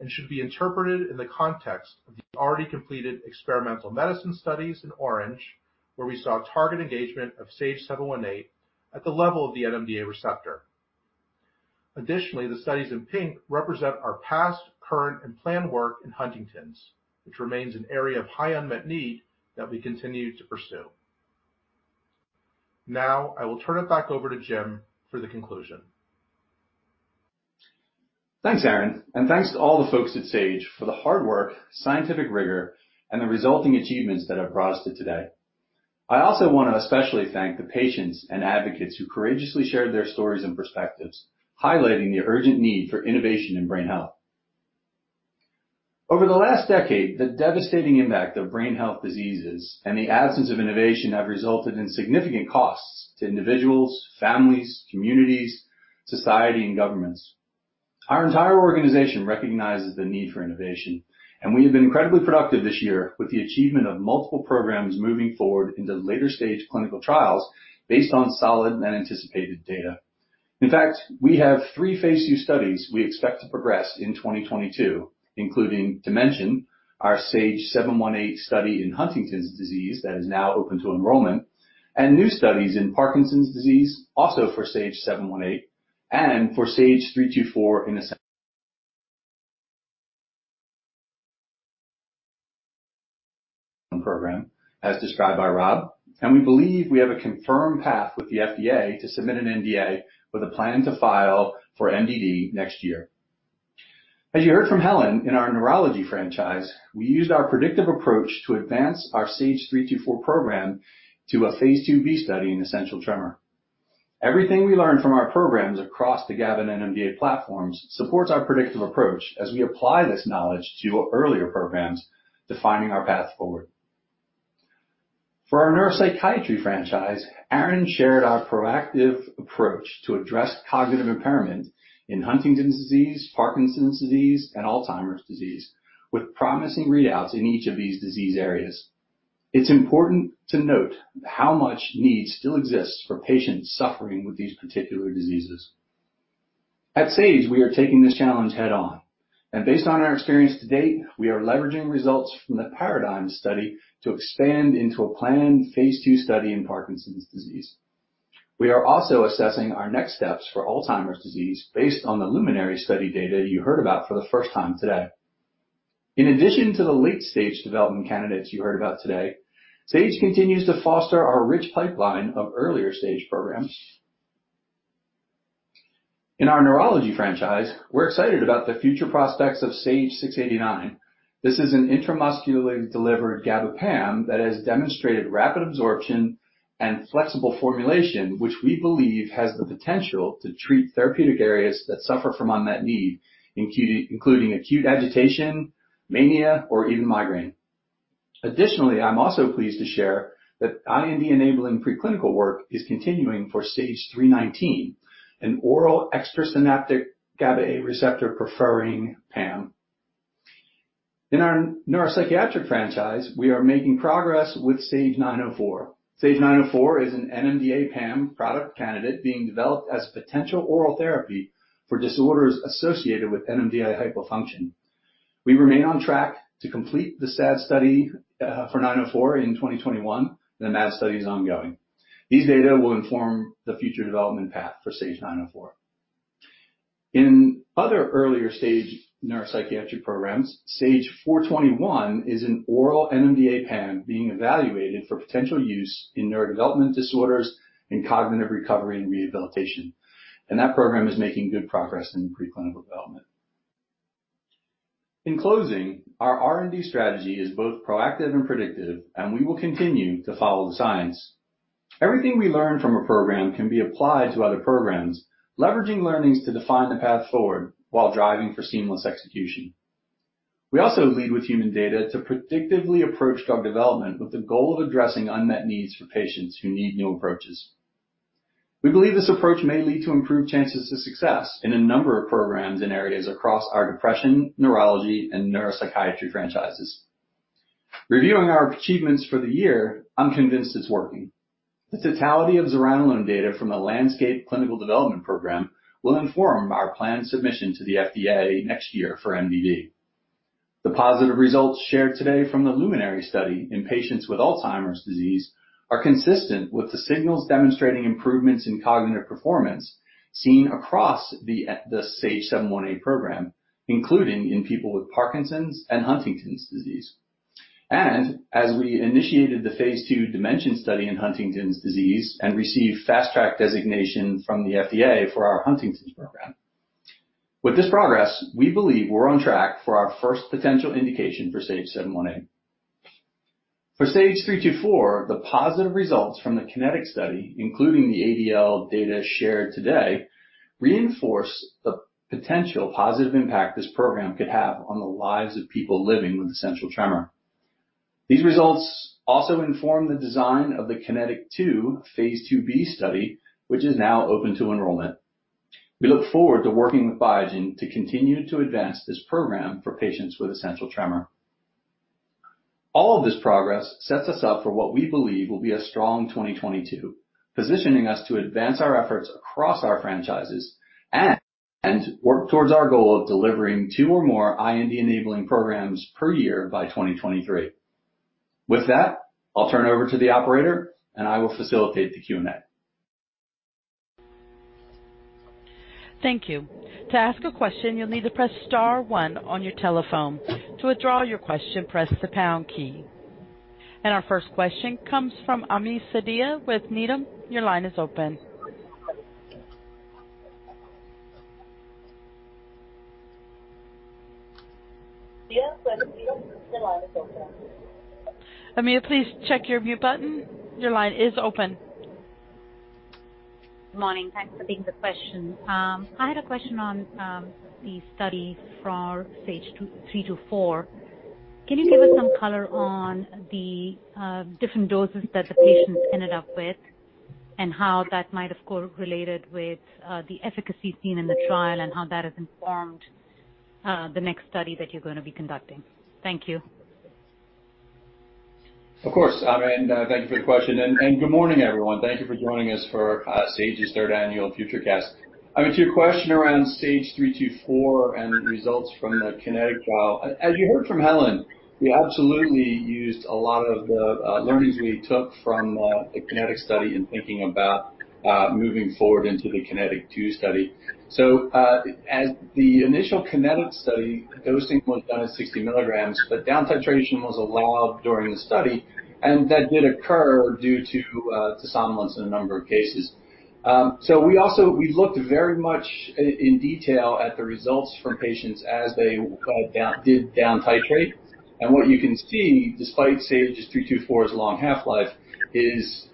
F: and should be interpreted in the context of the already completed experimental medicine studies in orange, where we saw target engagement of SAGE-718 at the level of the NMDA receptor. Additionally, the studies in pink represent our past, current, and planned work in Huntington's, which remains an area of high unmet need that we continue to pursue. Now, I will turn it back over to Jim for the conclusion.
H: Thanks, Aaron, and thanks to all the folks at Sage for the hard work, scientific rigor, and the resulting achievements that have brought us to today. I also wanna especially thank the patients and advocates who courageously shared their stories and perspectives, highlighting the urgent need for innovation in brain health. Over the last decade, the devastating impact of brain health diseases and the absence of innovation have resulted in significant costs to individuals, families, communities, society, and governments. Our entire organization recognizes the need for innovation, and we have been incredibly productive this year with the achievement of multiple programs moving forward into later stage clinical trials based on solid and anticipated data. We have three phase II studies we expect to progress in 2022, including DIMENSION, our SAGE-718 study in Huntington's disease that is now open to enrollment, and new studies in Parkinson's disease, also for SAGE-718, and for SAGE-324 in a program as described by Rob, and we believe we have a confirmed path with the FDA to submit an NDA with a plan to file for MDD next year. As you heard from Helen, in our neurology franchise, we used our predictive approach to advance our SAGE-324 program to a phase II-b study in essential tremor. Everything we learned from our programs across the GABA and NMDA platforms supports our predictive approach as we apply this knowledge to earlier programs defining our path forward. For our neuropsychiatry franchise, Aaron shared our proactive approach to address cognitive impairment in Huntington's disease, Parkinson's disease, and Alzheimer's disease, with promising readouts in each of these disease areas. It's important to note how much need still exists for patients suffering with these particular diseases. At Sage, we are taking this challenge head on, and based on our experience to date, we are leveraging results from the PARADIGM study to expand into a planned phase II study in Parkinson's disease. We are also assessing our next steps for Alzheimer's disease based on the LUMINARY study data you heard about for the first time today. In addition to the late-stage development candidates you heard about today, Sage continues to foster our rich pipeline of earlier stage programs. In our neurology franchise, we're excited about the future prospects of SAGE-689. This is an intramuscularly delivered GABA PAM that has demonstrated rapid absorption and flexible formulation, which we believe has the potential to treat therapeutic areas that suffer from unmet need, including acute agitation, mania, or even migraine. Additionally, I'm also pleased to share that IND-enabling preclinical work is continuing for SAGE-319, an oral extrasynaptic GABA-A receptor-preferring PAM. In our neuropsychiatric franchise, we are making progress with SAGE-904. SAGE-904 is an NMDA PAM product candidate being developed as potential oral therapy for disorders associated with NMDA hypofunction. We remain on track to complete the SAD study for 904 in 2021. The MAD study is ongoing. These data will inform the future development path for SAGE-904. In other earlier stage neuropsychiatric programs, SAGE-421 is an oral NMDA PAM being evaluated for potential use in neurodevelopmental disorders and cognitive recovery and rehabilitation. That program is making good progress in preclinical development. In closing, our R&D strategy is both proactive and predictive, and we will continue to follow the science. Everything we learn from a program can be applied to other programs, leveraging learnings to define the path forward while driving for seamless execution. We also lead with human data to predictively approach drug development with the goal of addressing unmet needs for patients who need new approaches. We believe this approach may lead to improved chances of success in a number of programs in areas across our depression, neurology, and neuropsychiatry franchises. Reviewing our achievements for the year, I'm convinced it's working. The totality of zuranolone data from the LANDSCAPE clinical development program will inform our planned submission to the FDA next year for MDD. The positive results shared today from the LUMINARY study in patients with Alzheimer's disease are consistent with the signals demonstrating improvements in cognitive performance seen across the SAGE-718 program, including in people with Parkinson's and Huntington's disease. As we initiated the phase II DIMENSION study in Huntington's disease and received Fast Track designation from the FDA for our Huntington's program. With this progress, we believe we're on track for our first potential indication for SAGE-718. For SAGE-324, the positive results from the KINETIC study, including the ADL data shared today, reinforce the potential positive impact this program could have on the lives of people living with essential tremor. These results also inform the design of the KINETIC 2, phase II-b study, which is now open to enrollment. We look forward to working with Biogen to continue to advance this program for patients with essential tremor. All of this progress sets us up for what we believe will be a strong 2022, positioning us to advance our efforts across our franchises and work towards our goal of delivering two or more IND-enabling programs per year by 2023. With that, I'll turn it over to the operator, and I will facilitate the Q&A.
I: Thank you. To ask a question, you'll need to press star one on your telephone. To withdraw your question, press the pound key. Our first question comes from Ami Fadia with Needham. Your line is open. Yes. Ami, your line is open. Ami, please check your mute button. Your line is open.
J: Morning. Thanks for taking the question. I had a question on the study for SAGE-324. Can you give us some color on the different doses that the patients ended up with and how that might have correlated with the efficacy seen in the trial and how that has informed the next study that you're gonna be conducting? Thank you.
H: Of course, Ami, thank you for the question. Good morning, everyone. Thank you for joining us for Sage's third annual FutureCast. Ami, to your question around SAGE-324 and results from the KINETIC trial, as you heard from Helen, we absolutely used a lot of the learnings we took from the KINETIC study in thinking about moving forward into the KINETIC 2 study. As the initial KINETIC study dosing was done at 60 mg, but down titration was allowed during the study, and that did occur due to somnolence in a number of cases. We also looked very much in detail at the results from patients as they did down titrate. What you can see, despite SAGE-324's long half-life, is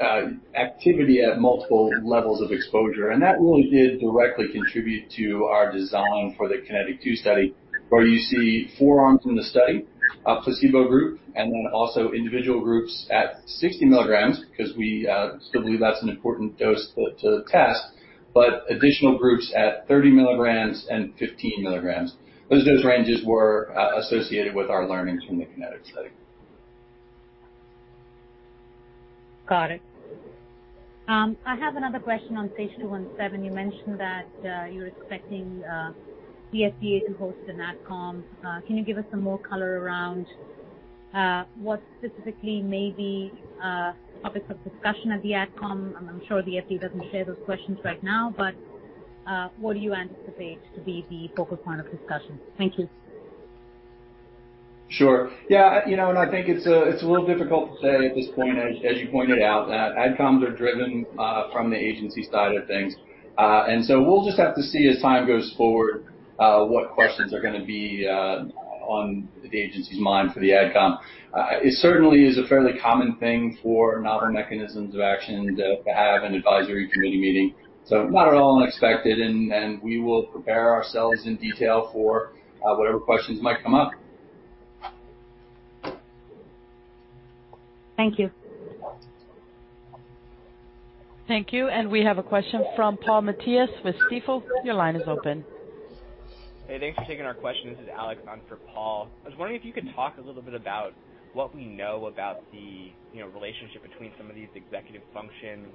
H: activity at multiple levels of exposure. That really did directly contribute to our design for the KINETIC 2 study, where you see four arms in the study, a placebo group, and then also individual groups at 60 mg 'cause we still believe that's an important dose to test, but additional groups at 30 mg and 15 mg. Those dose ranges were associated with our learnings from the KINETIC study.
J: Got it. I have another question on SAGE-217. You mentioned that you're expecting the FDA to host an AdCom. Can you give us some more color around what specifically may be topics of discussion at the AdCom? I'm sure the FDA doesn't share those questions right now, but what do you anticipate to be the focal point of discussion? Thank you.
H: Sure. Yeah, you know, I think it's a little difficult to say at this point, as you pointed out, that AdComs are driven from the agency side of things. We'll just have to see as time goes forward what questions are gonna be on the agency's mind for the AdCom. It certainly is a fairly common thing for novel mechanisms of action to have an advisory committee meeting, so not at all unexpected, and we will prepare ourselves in detail for whatever questions might come up.
J: Thank you.
I: Thank you. We have a question from Paul Matteis with Stifel. Your line is open.
K: Hey, thanks for taking our question. This is Alex on for Paul. I was wondering if you could talk a little bit about what we know about the, you know, relationship between some of these executive function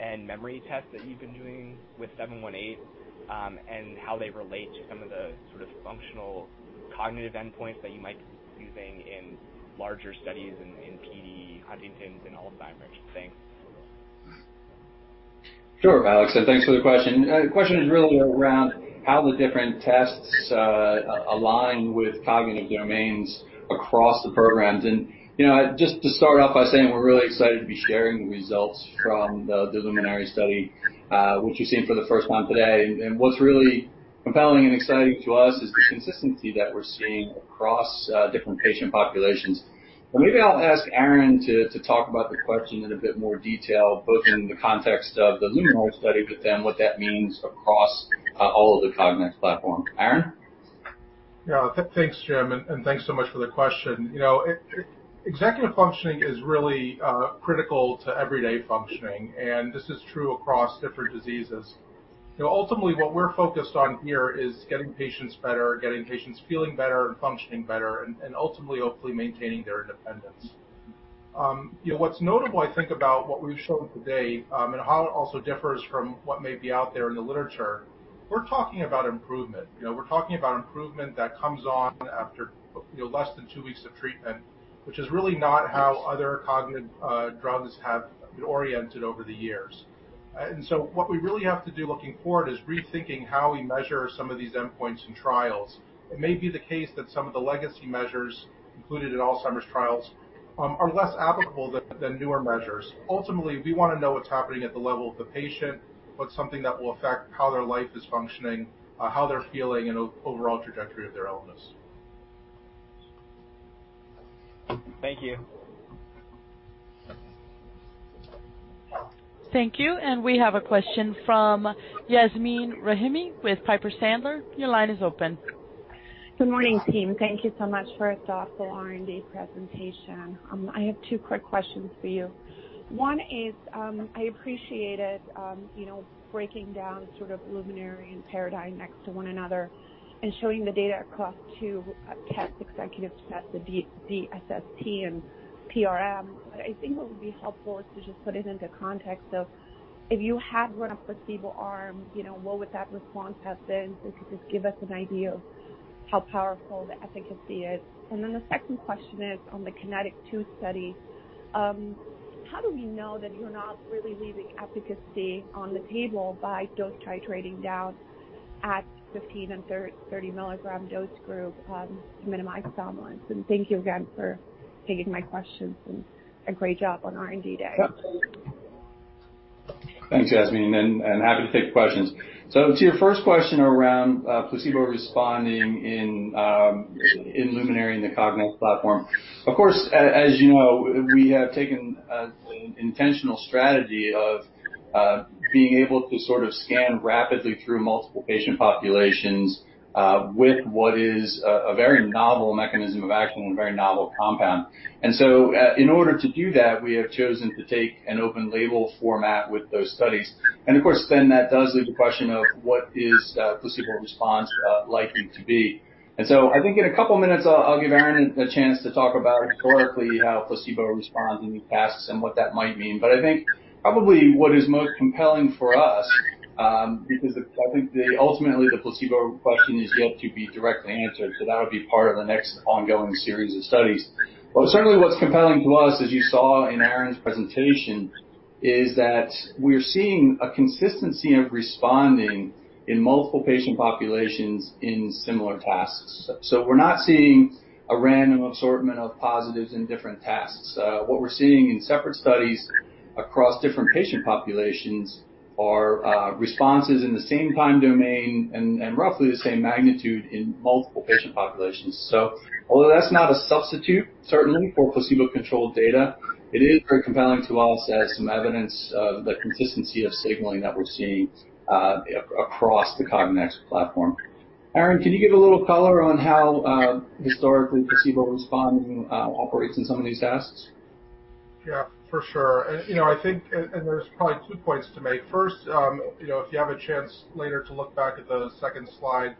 K: and memory tests that you've been doing with SAGE-718, and how they relate to some of the sort of functional cognitive endpoints that you might be using in larger studies in PD, Huntington's and Alzheimer's disease.
H: Sure, Alex, and thanks for the question. The question is really around how the different tests align with cognitive domains across the programs. Just to start off by saying we're really excited to be sharing the results from the LUMINARY study, which you've seen for the first time today. What's really compelling and exciting to us is the consistency that we're seeing across different patient populations. Maybe I'll ask Aaron to talk about the question in a bit more detail, both in the context of the LUMINARY study, but then what that means across all of the CogNEXT platform. Aaron?
F: Yeah. Thanks, Jim, and thanks so much for the question. You know, executive functioning is really critical to everyday functioning, and this is true across different diseases. You know, ultimately, what we're focused on here is getting patients better, getting patients feeling better and functioning better and ultimately, hopefully maintaining their independence. You know, what's notable, I think, about what we've shown today, and how it also differs from what may be out there in the literature, we're talking about improvement. You know, we're talking about improvement that comes on after less than two weeks of treatment, which is really not how other cognitive drugs have been oriented over the years. What we really have to do looking forward is rethinking how we measure some of these endpoints in trials. It may be the case that some of the legacy measures included in Alzheimer's trials are less applicable than newer measures. Ultimately, we wanna know what's happening at the level of the patient, what's something that will affect how their life is functioning, how they're feeling and overall trajectory of their illness.
K: Thank you.
I: Thank you. We have a question from Yasmeen Rahimi with Piper Sandler. Your line is open.
L: Good morning, team. Thank you so much for a thoughtful R&D presentation. I have two quick questions for you. One is, I appreciated, you know, breaking down sort of LUMINARY and PARADIGM next to one another and showing the data across two executive tests, the DSST and PRM. I think what would be helpful is to just put it into context of if you had run a placebo arm, you know, what would that response have been. If you could just give us an idea of how powerful the efficacy is. Then the second question is on the KINETIC 2 study. How do we know that you're not really leaving efficacy on the table by dose titrating down at 15 and 30 milligram dose group to minimize somnolence? Thank you again for taking my questions and a great job on R&D Day.
H: Thanks, Yasmeen, happy to take the questions. To your first question around placebo responding in LUMINARY in the CogNEXT platform. Of course, as you know, we have taken an intentional strategy of being able to sort of scan rapidly through multiple patient populations with what is a very novel mechanism of action and a very novel compound. In order to do that, we have chosen to take an open label format with those studies. Of course, that does leave the question of what is placebo response likely to be. I think in a couple of minutes, I'll give Aaron a chance to talk about historically how placebo responds in these tasks and what that might mean. I think probably what is most compelling for us, because I think ultimately, the placebo question is yet to be directly answered. That'll be part of the next ongoing series of studies. Certainly, what's compelling to us, as you saw in Aaron's presentation, is that we're seeing a consistency in responding in multiple patient populations in similar tasks. We're not seeing a random assortment of positives in different tasks. What we're seeing in separate studies across different patient populations are responses in the same time domain and roughly the same magnitude in multiple patient populations. Although that's not a substitute, certainly for placebo-controlled data, it is very compelling to us as some evidence of the consistency of signaling that we're seeing across the CogNEXT platform. Aaron, can you give a little color on how historically placebo responding operates in some of these tasks?
F: Yeah, for sure. You know, I think. There's probably two points to make. First, you know, if you have a chance later to look back at the second slide,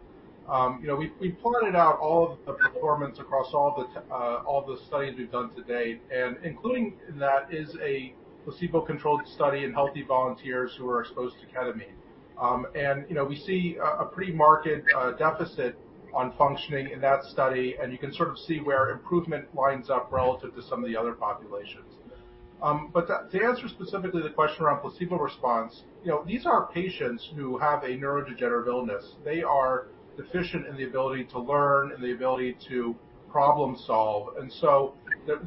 F: you know, we plotted out all of the performance across all the studies we've done to date. Including in that is a placebo-controlled study in healthy volunteers who are exposed to ketamine. You know, we see a premorbid deficit in functioning in that study, and you can sort of see where improvement lines up relative to some of the other populations. To answer specifically the question around placebo response, you know, these are patients who have a neurodegenerative illness. They are deficient in the ability to learn and the ability to problem solve.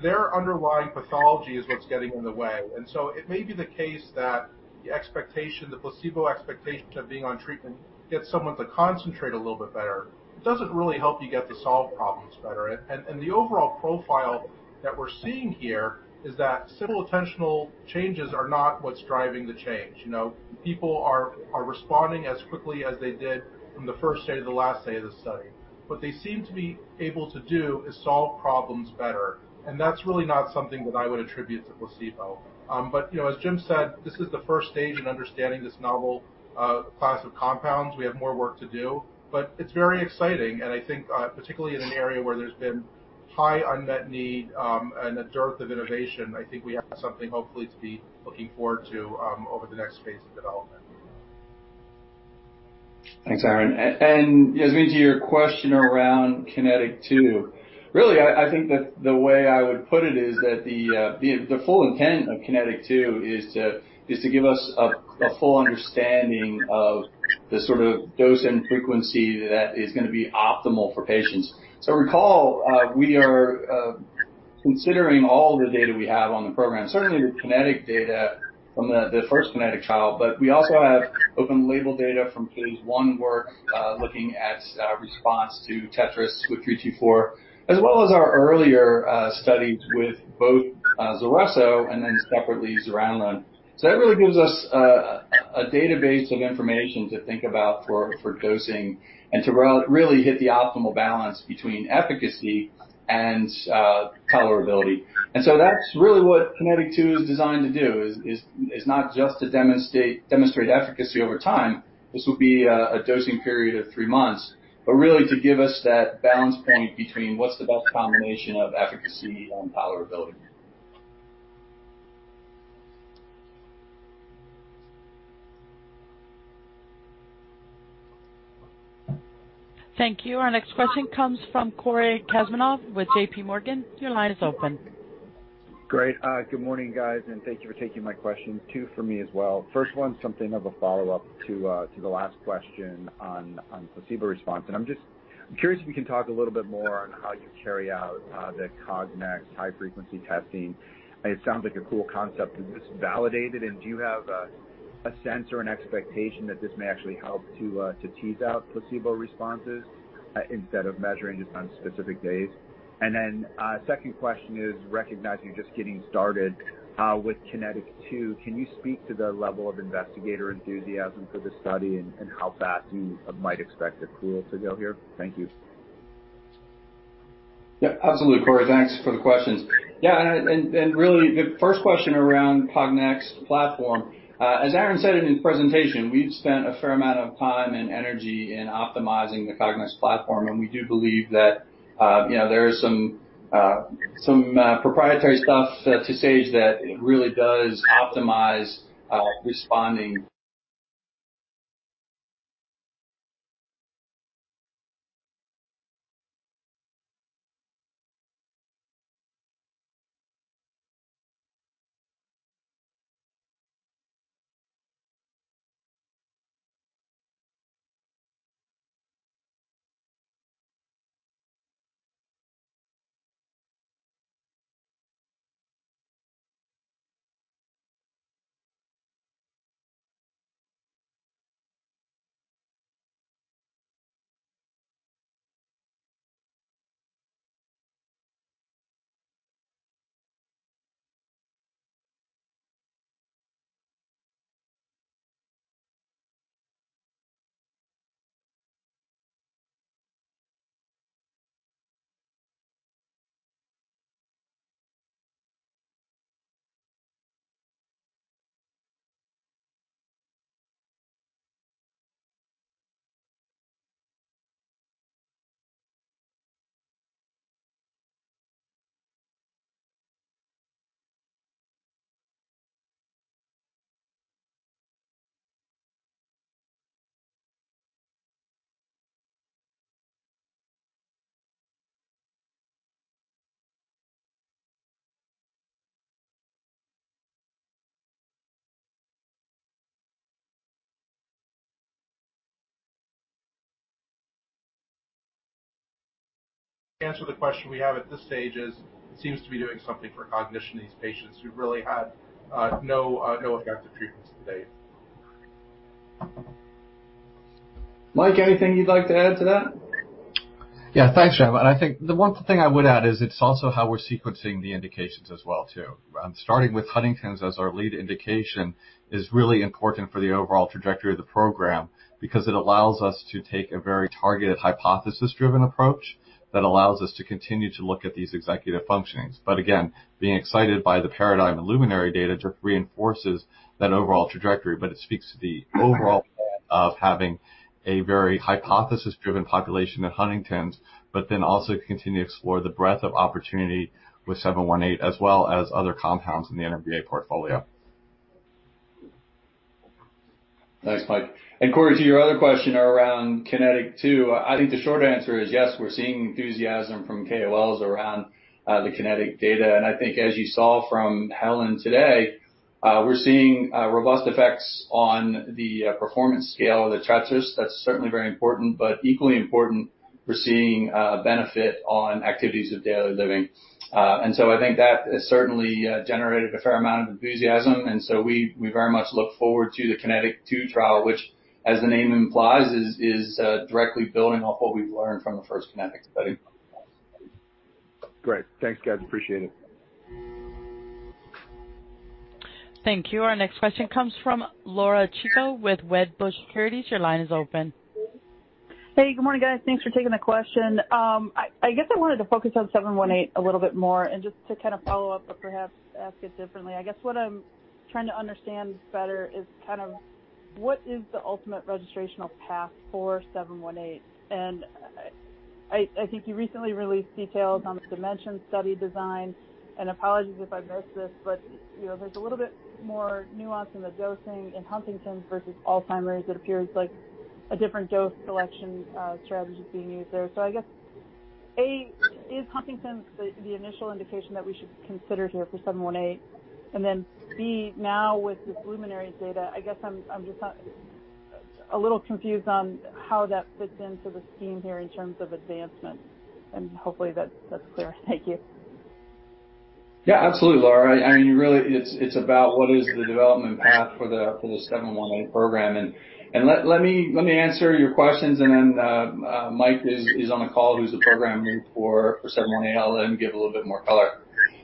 F: Their underlying pathology is what's getting in the way. It may be the case that the expectation, the placebo expectation of being on treatment gets someone to concentrate a little bit better. It doesn't really help you get to solve problems better. And the overall profile that we're seeing here is that simple attentional changes are not what's driving the change. You know, people are responding as quickly as they did from the first day to the last day of the study. What they seem to be able to do is solve problems better, and that's really not something that I would attribute to placebo. But you know, as Jim said, this is the first stage in understanding this novel class of compounds. We have more work to do, but it's very exciting. I think, particularly in an area where there's been high unmet need, and a dearth of innovation, I think we have something hopefully to be looking forward to, over the next phase of development.
H: Thanks, Aaron. Yasmeen, to your question around KINETIC 2. Really, I think that the way I would put it is that the full intent of KINETIC 2 is to give us a full understanding of the sort of dose and frequency that is gonna be optimal for patients. Recall, we are considering all the data we have on the program, certainly the KINETIC data from the first KINETIC trial, but we also have open label data from phase I work, looking at response to TETRAS with SAGE-324, as well as our earlier studies with both Zulresso and then separately zuranolone. That really gives us a database of information to think about for dosing and to really hit the optimal balance between efficacy and tolerability. That's really what KINETIC 2 is designed to do, is not just to demonstrate efficacy over time. This will be a dosing period of three months. Really to give us that balance point between what's the best combination of efficacy and tolerability.
I: Thank you. Our next question comes from Cory Kasimov with JPMorgan. Your line is open.
M: Great. Good morning, guys, and thank you for taking my question. Two for me as well. First one's something of a follow-up to the last question on placebo response. I'm just curious if you can talk a little bit more on how you carry out the CogNEXT high frequency testing. It sounds like a cool concept. Is this validated, and do you have a sense or an expectation that this may actually help to tease out placebo responses, instead of measuring just on specific days. Second question is recognizing you're just getting started with KINETIC 2, can you speak to the level of investigator enthusiasm for the study and how fast you might expect accrual to go here? Thank you.
H: Yeah, absolutely, Cory. Thanks for the questions. Yeah, really the first question around CogNEXT platform. As Aaron said in his presentation, we've spent a fair amount of time and energy in optimizing the CogNEXT platform, and we do believe that, you know, there is some proprietary stuff to Sage that really does optimize responding. The answer to the question we have at this stage is it seems to be doing something for cognition in these patients who've really had no effective treatments to date. Mike, anything you'd like to add to that?
N: Yeah. Thanks, [Cheva]. I think the one thing I would add is it's also how we're sequencing the indications as well too. Starting with Huntington's as our lead indication is really important for the overall trajectory of the program because it allows us to take a very targeted hypothesis-driven approach that allows us to continue to look at these executive functionings. Again, being excited by the PARADIGM and LUMINARY data just reinforces that overall trajectory. It speaks to the overall plan of having a very hypothesis-driven population at Huntington's, but then also continue to explore the breadth of opportunity with SAGE-718 as well as other compounds in the NMDA portfolio.
H: Thanks, Mike. Cory, to your other question around KINETIC 2, I think the short answer is yes, we're seeing enthusiasm from KOLs around the KINETIC data. I think as you saw from Helen today, we're seeing robust effects on the performance scale of the TETRAS. That's certainly very important, but equally important, we're seeing benefit on activities of daily living. I think that has certainly generated a fair amount of enthusiasm. We very much look forward to the KINETIC 2 trial, which as the name implies, is directly building off what we've learned from the first KINETIC study.
M: Great. Thanks, guys. Appreciate it.
I: Thank you. Our next question comes from Laura Chico with Wedbush Securities. Your line is open.
O: Hey. Good morning, guys. Thanks for taking the question. I guess I wanted to focus on SAGE-718 a little bit more and just to kind of follow up but perhaps ask it differently. I guess what I'm trying to understand better is kind of what is the ultimate registrational path for SAGE-718? I think you recently released details on the DIMENSION study design, and apologies if I missed this, but you know, there's a little bit more nuance in the dosing in Huntington's versus Alzheimer's. It appears like a different dose selection strategy is being used there. I guess, A, is Huntington's the initial indication that we should consider here for SAGE-718? And then, B, now with this LUMINARY data, I guess I'm just- A little confused on how that fits into the scheme here in terms of advancement. Hopefully that's clear. Thank you.
H: Yeah, absolutely, Laura. I mean, really, it's about what is the development path for the SAGE-718 program. Let me answer your questions, and then Mike is on the call who's the program lead for SAGE-718. I'll let him give a little bit more color.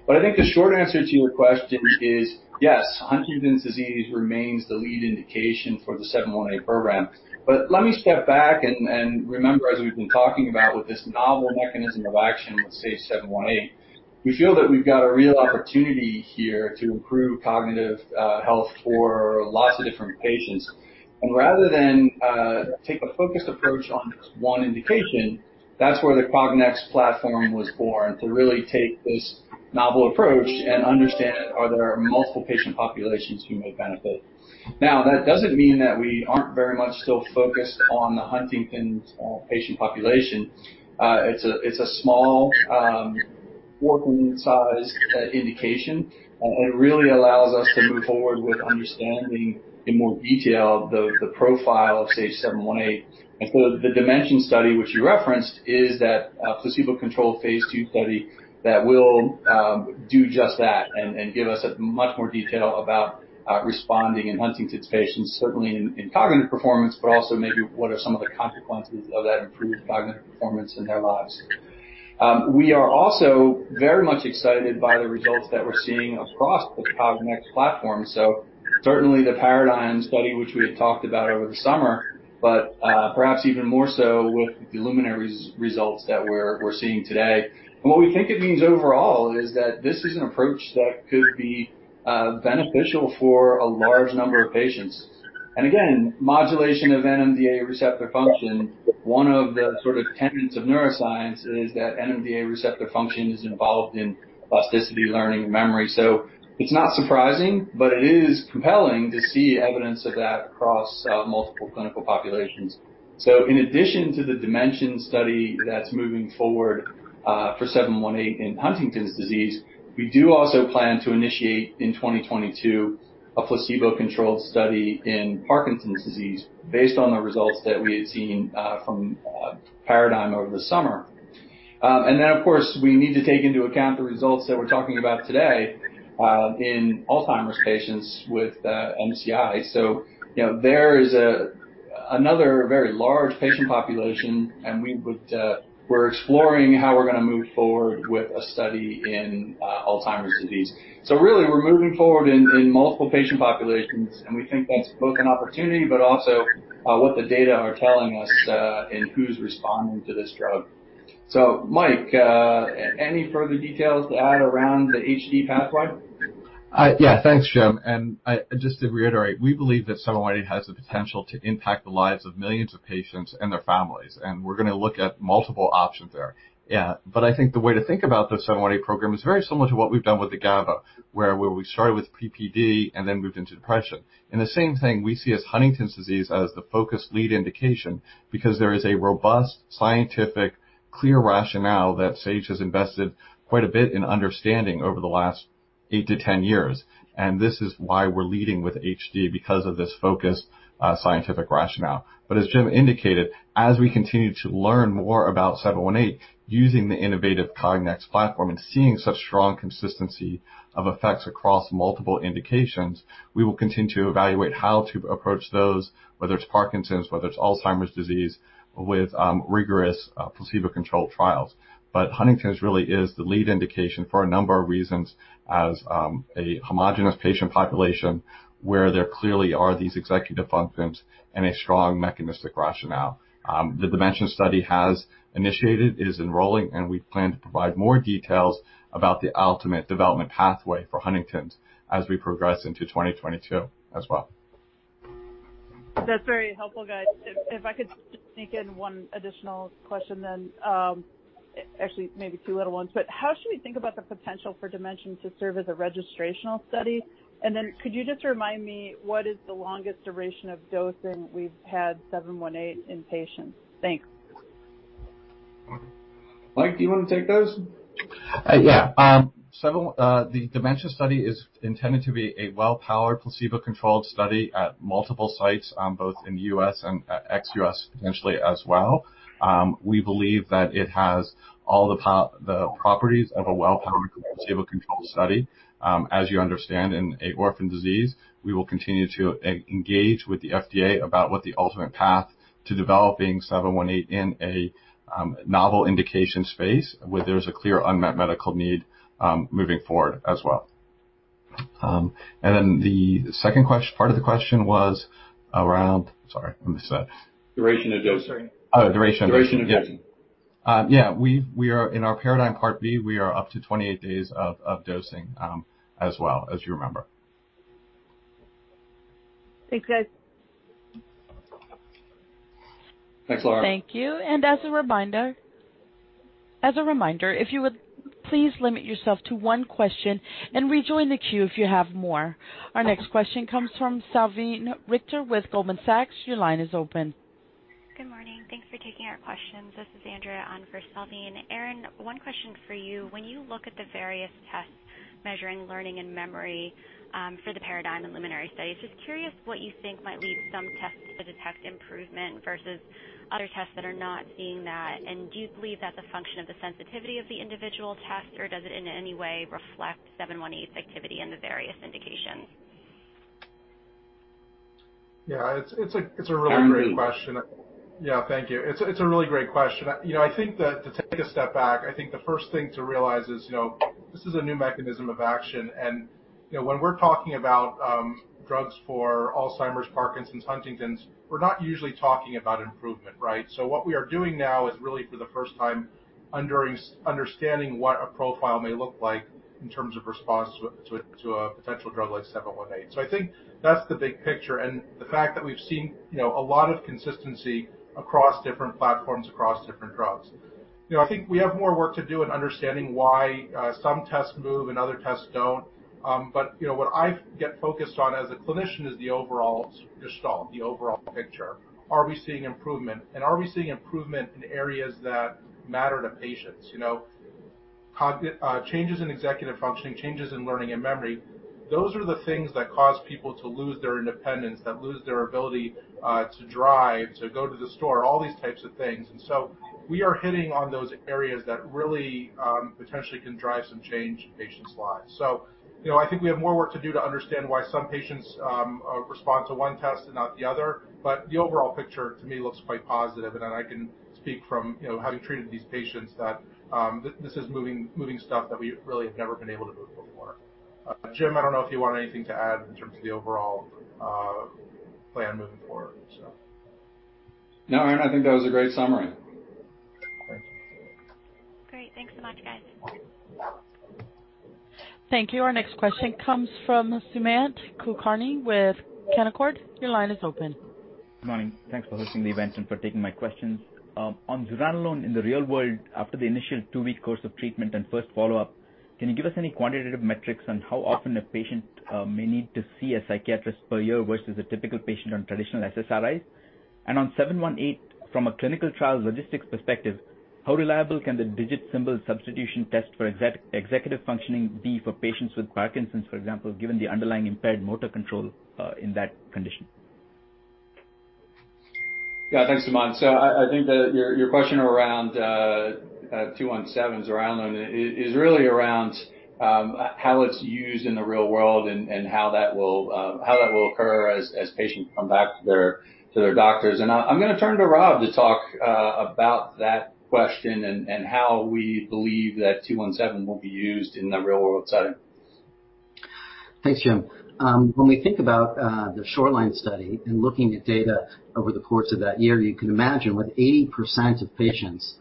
H: I think the short answer to your question is, yes, Huntington's disease remains the lead indication for the SAGE-718 program. Let me step back and remember, as we've been talking about with this novel mechanism of action with SAGE-718, we feel that we've got a real opportunity here to improve cognitive health for lots of different patients. Rather than take a focused approach on just one indication, that's where the CogNEXT platform was born, to really take this novel approach and understand are there multiple patient populations who may benefit. Now, that doesn't mean that we aren't very much still focused on the Huntington's patient population. It's a small orphan-sized indication. It really allows us to move forward with understanding in more detail the profile of SAGE-718. The DIMENSION study which you referenced is that placebo-controlled phase II study that will do just that and give us much more detail about responding in Huntington's patients, certainly in cognitive performance, but also maybe what are some of the consequences of that improved cognitive performance in their lives. We are also very much excited by the results that we're seeing across the CogNEXT platform. Certainly the PARADIGM study, which we had talked about over the summer, but perhaps even more so with the LUMINARY results that we're seeing today. What we think it means overall is that this is an approach that could be beneficial for a large number of patients. Again, modulation of NMDA receptor function, one of the sort of tenets of neuroscience is that NMDA receptor function is involved in plasticity, learning, and memory. It's not surprising, but it is compelling to see evidence of that across multiple clinical populations. In addition to the DIMENSION study that's moving forward for SAGE-718 in Huntington's disease, we do also plan to initiate in 2022 a placebo-controlled study in Parkinson's disease based on the results that we had seen from PARADIGM over the summer. Of course, we need to take into account the results that we're talking about today in Alzheimer's patients with MCI. You know, there is another very large patient population, and we're exploring how we're gonna move forward with a study in Alzheimer's disease. Really we're moving forward in multiple patient populations, and we think that's both an opportunity but also what the data are telling us in who's responding to this drug. Mike, any further details to add around the HD pathway?
N: Thanks, Jim. Just to reiterate, we believe that SAGE-718 has the potential to impact the lives of millions of patients and their families, and we're gonna look at multiple options there. I think the way to think about the SAGE-718 program is very similar to what we've done with the GABA, where we started with PPD and then moved into depression. In the same way, we see Huntington's disease as the focused lead indication because there is a robust, scientific, clear rationale that Sage has invested quite a bit in understanding over the last eight-10 years. This is why we're leading with HD because of this focused, scientific rationale. As Jim indicated, as we continue to learn more about SAGE-718 using the innovative CogNEXT platform and seeing such strong consistency of effects across multiple indications, we will continue to evaluate how to approach those, whether it's Parkinson's, whether it's Alzheimer's disease with rigorous placebo-controlled trials. Huntington's really is the lead indication for a number of reasons as a homogeneous patient population where there clearly are these executive functions and a strong mechanistic rationale. The DIMENSION study has initiated, it is enrolling, and we plan to provide more details about the ultimate development pathway for Huntington's as we progress into 2022 as well.
O: That's very helpful, guys. If I could just sneak in one additional question then, actually maybe two little ones. How should we think about the potential for DIMENSION to serve as a registrational study? And then could you just remind me what is the longest duration of dosing we've had SAGE-718 in patients? Thanks.
H: Mike, do you wanna take those?
N: Yeah. Several, the DIMENSION study is intended to be a well-powered placebo-controlled study at multiple sites, both in the U.S. and ex-U.S. potentially as well. We believe that it has all the properties of a well-powered placebo-controlled study. As you understand in an orphan disease, we will continue to engage with the FDA about what the ultimate path to developing SAGE-718 in a novel indication space, where there's a clear unmet medical need, moving forward as well. The second part of the question was around. Sorry, I missed that.
H: Duration of dosing.
N: Sorry. Oh, duration of dosing.
H: Duration of dosing.
N: Yeah. We are in our PARADIGM Part B, we are up to 28 days of dosing, as well as you remember.
O: Thanks, guys.
H: Thanks, Laura.
I: Thank you. As a reminder, if you would please limit yourself to one question and rejoin the queue if you have more. Our next question comes from Salveen Richter with Goldman Sachs. Your line is open.
P: Good morning. Thanks for taking our questions. This is Andrea on for Salveen. Aaron, one question for you. When you look at the various tests measuring learning and memory for the PARADIGM and LUMINARY studies, just curious what you think might lead some tests to detect improvement versus other tests that are not seeing that. Do you believe that's a function of the sensitivity of the individual test, or does it in any way reflect SAGE-718's activity in the various indications?
F: Yeah. It's a really great question.
P: Unmute.
F: Yeah. Thank you. It's a really great question. You know, I think that to take a step back, I think the first thing to realize is, you know, this is a new mechanism of action. You know, when we're talking about drugs for Alzheimer's, Parkinson's, Huntington's, we're not usually talking about improvement, right? What we are doing now is really for the first time understanding what a profile may look like in terms of response to a potential drug like SAGE-718. I think that's the big picture. The fact that we've seen, you know, a lot of consistency across different platforms, across different drugs. You know, I think we have more work to do in understanding why some tests move and other tests don't. You know, what I get focused on as a clinician is the overall gestalt, the overall picture. Are we seeing improvement? Are we seeing improvement in areas that matter to patients? You know. Changes in executive functioning, changes in learning and memory, those are the things that cause people to lose their independence, that lose their ability to drive, to go to the store, all these types of things. We are hitting on those areas that really potentially can drive some change in patients' lives. You know, I think we have more work to do to understand why some patients respond to one test and not the other. The overall picture to me looks quite positive. Then I can speak from, you know, having treated these patients that this is moving stuff that we really have never been able to move before. Jim, I don't know if you want anything to add in terms of the overall plan moving forward.
H: No, Aaron, I think that was a great summary.
F: Great.
P: Great. Thanks so much, guys.
I: Thank you. Our next question comes from Sumant Kulkarni with Canaccord. Your line is open.
Q: Good morning. Thanks for hosting the event and for taking my questions. On zuranolone in the real world, after the initial two-week course of treatment and first follow-up, can you give us any quantitative metrics on how often a patient may need to see a psychiatrist per year versus a typical patient on traditional SSRIs? On SAGE-718, from a clinical trial logistics perspective, how reliable can the Digit Symbol Substitution test for executive functioning be for patients with Parkinson's, for example, given the underlying impaired motor control in that condition?
H: Yeah. Thanks, Sumant. I think that your question around 217, zuranolone is really around how it's used in the real world and how that will occur as patients come back to their doctors. I'm gonna turn to Rob to talk about that question and how we believe that 217 will be used in the real-world setting.
C: Thanks, Jim. When we think about the SHORELINE study and looking at data over the course of that year, you can imagine with 80% of patients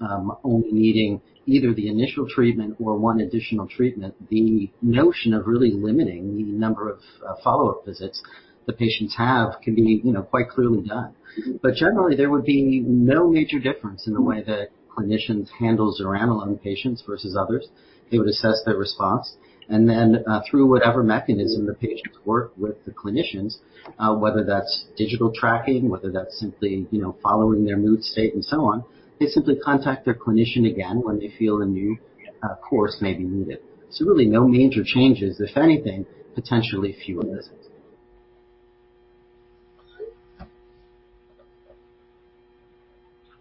C: only needing either the initial treatment or one additional treatment, the notion of really limiting the number of follow-up visits the patients have can be, you know, quite clearly done. But generally, there would be no major difference in the way that clinicians handle zuranolone patients versus others. They would assess their response, and then, through whatever mechanism the patients work with the clinicians, whether that's digital tracking, whether that's simply, you know, following their mood state and so on, they simply contact their clinician again when they feel a new course may be needed. Really no major changes, if anything, potentially fewer visits.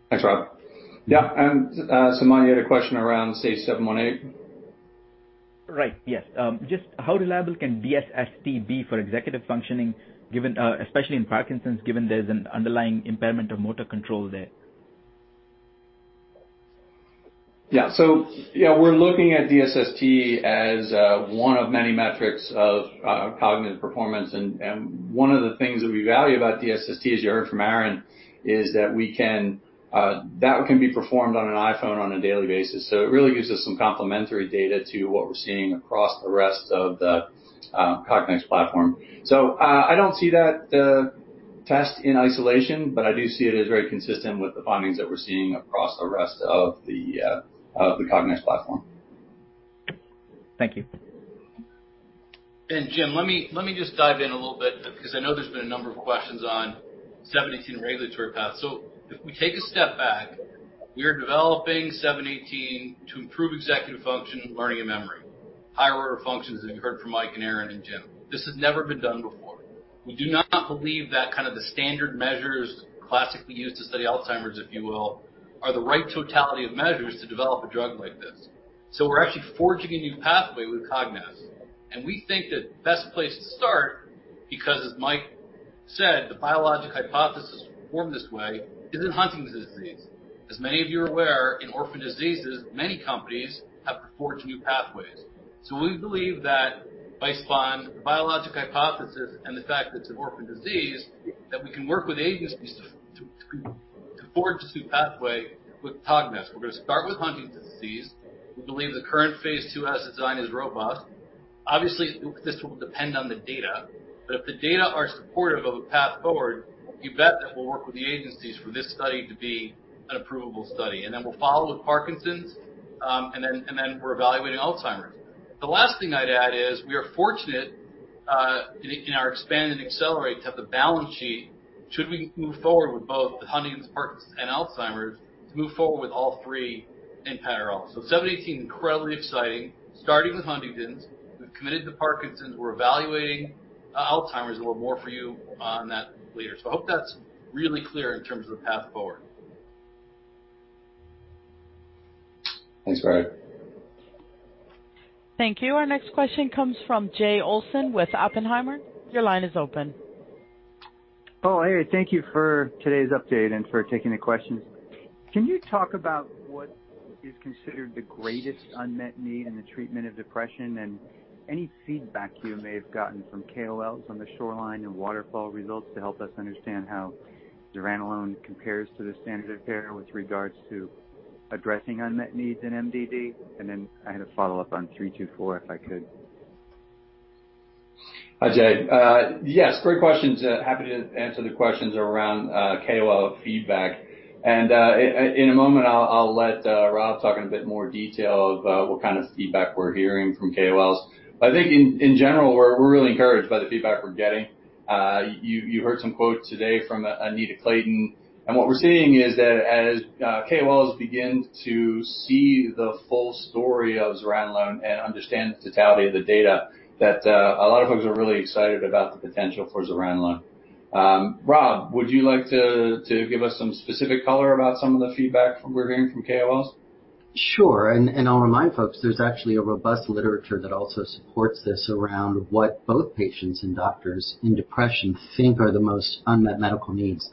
H: Thanks, Rob. Yeah, and, Sumant, you had a question around SAGE-718?
Q: Right. Yes. Just how reliable can DSST be for executive functioning, especially in Parkinson's, given there's an underlying impairment of motor control there?
H: Yeah, we're looking at DSST as one of many metrics of cognitive performance. One of the things that we value about DSST, as you heard from Aaron, is that one can be performed on an iPhone on a daily basis. It really gives us some complementary data to what we're seeing across the rest of the CogNEXT platform. I don't see that test in isolation, but I do see it as very consistent with the findings that we're seeing across the rest of the CogNEXT platform.
Q: Thank you.
B: Jim, let me just dive in a little bit because I know there's been a number of questions on SAGE-718 regulatory path. If we take a step back, we are developing SAGE-718 to improve executive function, learning, and memory. Higher order functions as you heard from Mike and Aaron and Jim. This has never been done before. We do not believe that the standard measures classically used to study Alzheimer's, if you will, are the right totality of measures to develop a drug like this. We're actually forging a new pathway with CogNEXT, and we think the best place to start because as Mike said, the biologic hypothesis is formed this way, is in Huntington's disease. As many of you are aware, in orphan diseases, many companies have forged new pathways. We believe that based on the biologic hypothesis and the fact that it's an orphan disease, that we can work with agencies to forge this new pathway with CogNEXT. We're gonna start with Huntington's disease. We believe the current phase II design is robust. Obviously, this will depend on the data. If the data are supportive of a path forward, you bet that we'll work with the agencies for this study to be an approvable study. We'll follow with Parkinson's, and then we're evaluating Alzheimer's. The last thing I'd add is we are fortunate in our expand and accelerate to have the balance sheet, should we move forward with both the Huntington's, Parkinson's and Alzheimer's, to move forward with all three in parallel. SAGE-718, incredibly exciting. Starting with Huntington's, we've committed to Parkinson's, we're evaluating Alzheimer's. A little more for you on that later. I hope that's really clear in terms of the path forward.
H: Thanks, Barry.
I: Thank you. Our next question comes from Jay Olson with Oppenheimer. Your line is open.
R: Oh, hey. Thank you for today's update and for taking the questions. Can you talk about what is considered the greatest unmet need in the treatment of depression and any feedback you may have gotten from KOLs on the SHORELINE and WATERFALL results to help us understand how zuranolone compares to the standard of care with regards to addressing unmet needs in MDD? I had a follow-up on SAGE-324, if I could.
H: Hi, Jay. Yes, great questions. Happy to answer the questions around KOL feedback. In a moment I'll let Rob talk in a bit more detail of what kind of feedback we're hearing from KOLs. I think in general we're really encouraged by the feedback we're getting. You heard some quotes today from Anita Clayton. What we're seeing is that as KOLs begin to see the full story of zuranolone and understand the totality of the data, a lot of folks are really excited about the potential for zuranolone. Rob, would you like to give us some specific color about some of the feedback we're hearing from KOLs?
C: Sure. I'll remind folks, there's actually a robust literature that also supports this around what both patients and doctors in depression think are the most unmet medical needs.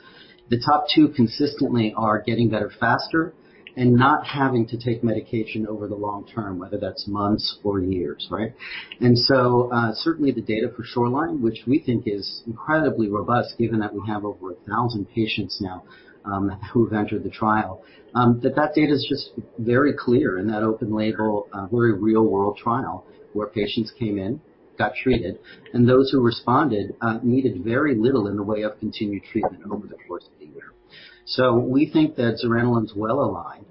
C: The top two consistently are getting better faster and not having to take medication over the long term, whether that's months or years, right? Certainly the data for SHORELINE, which we think is incredibly robust, given that we have over 1,000 patients now, who've entered the trial, that data is just very clear in that open-label, very real-world trial where patients came in, got treated, and those who responded needed very little in the way of continued treatment over the course of a year. We think that zuranolone is well aligned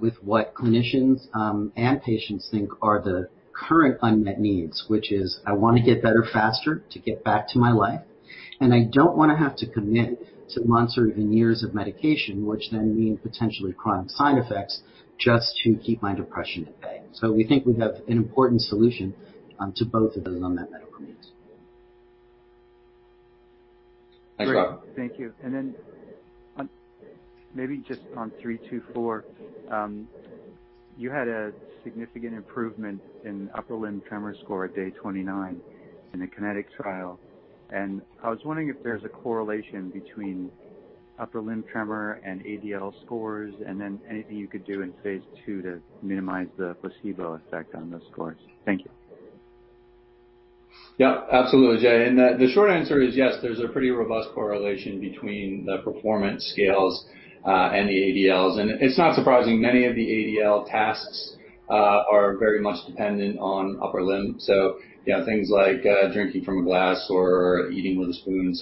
C: with what clinicians and patients think are the current unmet needs, which is, "I wanna get better faster to get back to my life, and I don't wanna have to commit to months or even years of medication, which then mean potentially chronic side effects, just to keep my depression at bay." We think we have an important solution to both of those unmet medical needs.
H: Thanks, Rob.
R: Thank you. On—maybe just on SAGE-324, you had a significant improvement in upper limb tremor score at day 29 in the KINETIC trial, and I was wondering if there's a correlation between upper limb tremor and ADL scores, and then anything you could do in phase II to minimize the placebo effect on those scores. Thank you.
H: Yeah, absolutely, Jay. The short answer is yes, there's a pretty robust correlation between the performance scales and the ADLs. It's not surprising many of the ADL tasks are very much dependent on upper limb. Yeah, things like drinking from a glass or eating with a spoon.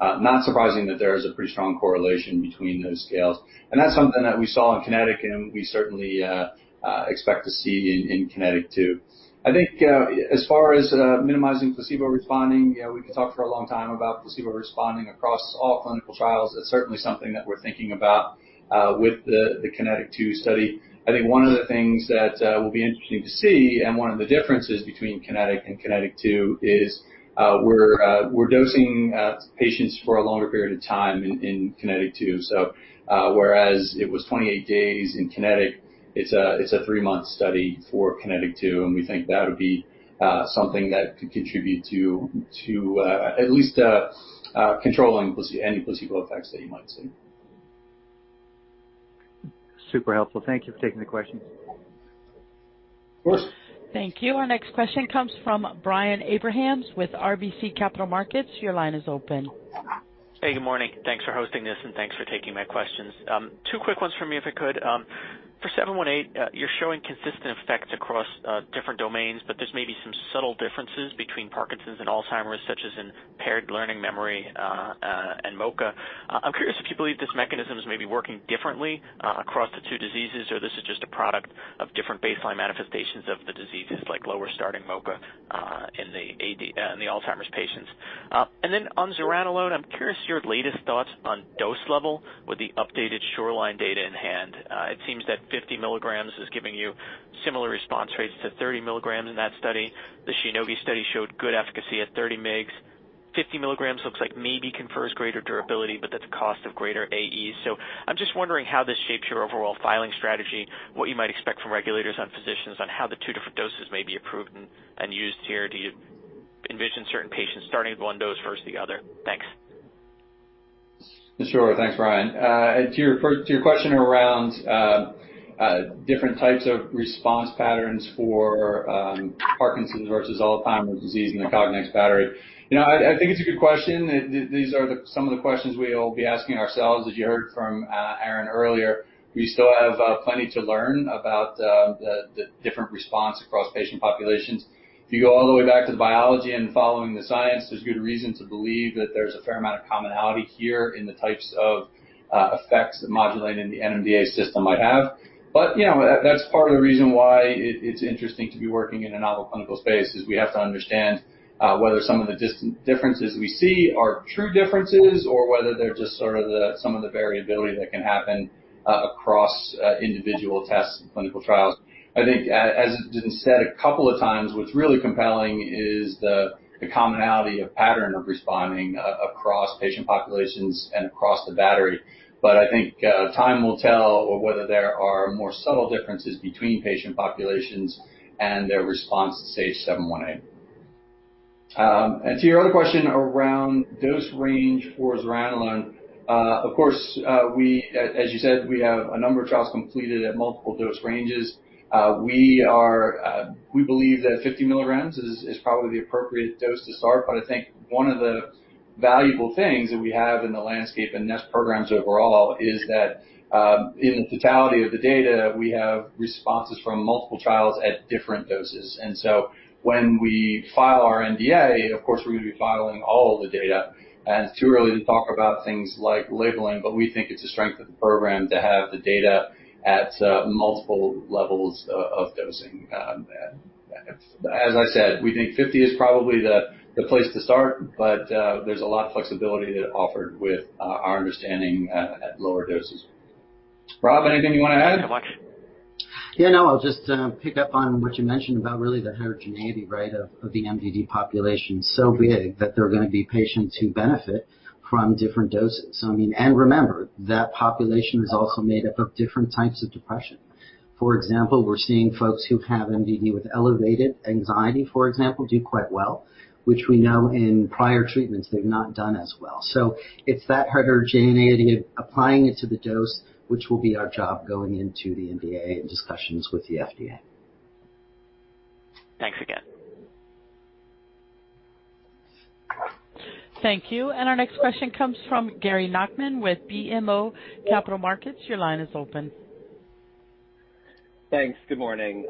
H: Not surprising that there is a pretty strong correlation between those scales. That's something that we saw in KINETIC, and we certainly expect to see in KINETIC 2. I think as far as minimizing placebo responding, yeah, we can talk for a long time about placebo responding across all clinical trials. That's certainly something that we're thinking about with the KINETIC 2 study. I think one of the things that will be interesting to see and one of the differences between KINETIC and KINETIC 2 is we're dosing patients for a longer period of time in KINETIC 2. Whereas it was 28 days in KINETIC, it's a three-month study for KINETIC 2, and we think that would be something that could contribute to at least controlling any placebo effects that you might see.
R: Super helpful. Thank you for taking the questions.
H: Of course.
I: Thank you. Our next question comes from Brian Abrahams with RBC Capital Markets. Your line is open.
S: Hey, good morning. Thanks for hosting this, and thanks for taking my questions. Two quick ones from me, if I could. For SAGE-718, you're showing consistent effects across different domains, but there's maybe some subtle differences between Parkinson's and Alzheimer's, such as in paired learning memory and MoCA. I'm curious if you believe this mechanism is maybe working differently across the two diseases, or this is just a product of different baseline manifestations of the diseases, like lower starting MoCA in the Alzheimer's patients. And then on zuranolone, I'm curious your latest thoughts on dose level with the updated SHORELINE data in hand. It seems that 50 mg is giving you similar response rates to 30 mg in that study. The Shionogi study showed good efficacy at 30 mg. 50 mg looks like maybe confers greater durability, but that's a cost of greater AEs. I'm just wondering how this shapes your overall filing strategy, what you might expect from regulators on physicians on how the two different doses may be approved and used here. Do you envision certain patients starting with one dose first, the other? Thanks.
H: Sure. Thanks, Brian. To your question around different types of response patterns for Parkinson's versus Alzheimer's disease in the CogNEXT battery. I think it's a good question. These are some of the questions we'll be asking ourselves. As you heard from Aaron earlier, we still have plenty to learn about the different response across patient populations. If you go all the way back to the biology and following the science, there's good reason to believe that there's a fair amount of commonality here in the types of effects that modulating the NMDA system might have. You know, that's part of the reason why it's interesting to be working in a novel clinical space, is we have to understand whether some of the differences we see are true differences or whether they're just sort of some of the variability that can happen across individual tests and clinical trials. I think as has been said a couple of times, what's really compelling is the commonality of pattern of responding across patient populations and across the battery. I think time will tell whether there are more subtle differences between patient populations and their response to SAGE-718. And to your other question around dose range for zuranolone. Of course, as you said, we have a number of trials completed at multiple dose ranges. We believe that 50 mg is probably the appropriate dose to start. I think one of the valuable things that we have in the LANDSCAPE and NEST programs overall is that, in the totality of the data, we have responses from multiple trials at different doses. When we file our NDA, of course, we're gonna be filing all of the data. It's too early to talk about things like labeling, but we think it's a strength of the program to have the data at multiple levels of dosing. As I said, we think 50 is probably the place to start, but there's a lot of flexibility that's offered with our understanding at lower doses. Rob, anything you want to add?
C: Yeah, no. I'll just pick up on what you mentioned about really the heterogeneity, right, of the MDD population so big that there are gonna be patients who benefit from different doses. I mean, and remember, that population is also made up of different types of depression. For example, we're seeing folks who have MDD with elevated anxiety, for example, do quite well, which we know in prior treatments they've not done as well. It's that heterogeneity, applying it to the dose, which will be our job going into the NDA and discussions with the FDA. Thanks again.
I: Thank you. Our next question comes from Gary Nachman with BMO Capital Markets. Your line is open.
T: Thanks. Good morning.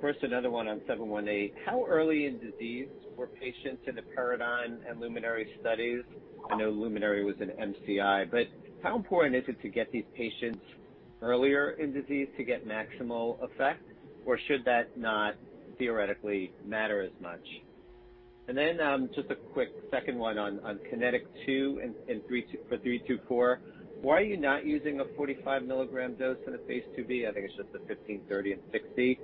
T: First another one on 718. How early in disease were patients in the PARADIGM and LUMINARY studies? I know LUMINARY was an MCI, but how important is it to get these patients earlier in disease to get maximal effect? Or should that not theoretically matter as much? Just a quick second one on KINETIC 2 and 324. Why are you not using a 45 mg dose in the phase II-b? I think it's just the 15, 30 and 60.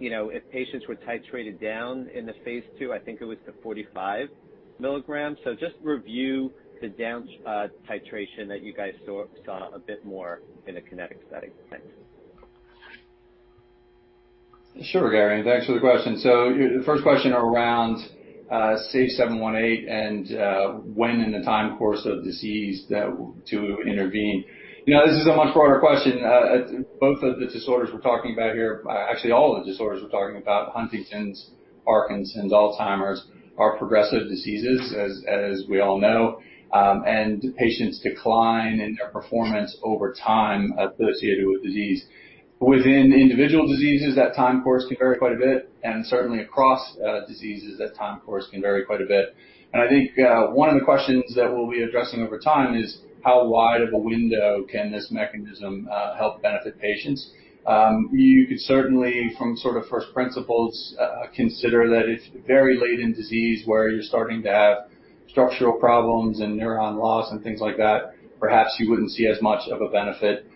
T: You know, if patients were titrated down in the phase II, I think it was to 45 mg. So just review the down titration that you guys saw a bit more in a KINETIC setting. Thanks.
H: Sure, Gary, and thanks for the question. Your first question around SAGE-718 and when in the time course of disease to intervene. You know, this is a much broader question. Both of the disorders we're talking about here, actually all of the disorders we're talking about, Huntington's, Parkinson's, Alzheimer's, are progressive diseases, as we all know, and patients decline in their performance over time associated with disease. Within individual diseases, that time course can vary quite a bit, and certainly across diseases, that time course can vary quite a bit. I think one of the questions that we'll be addressing over time is how wide of a window can this mechanism help benefit patients. You could certainly, from sort of first principles, consider that if very late in disease where you're starting to have structural problems and neuron loss and things like that, perhaps you wouldn't see as much of a benefit.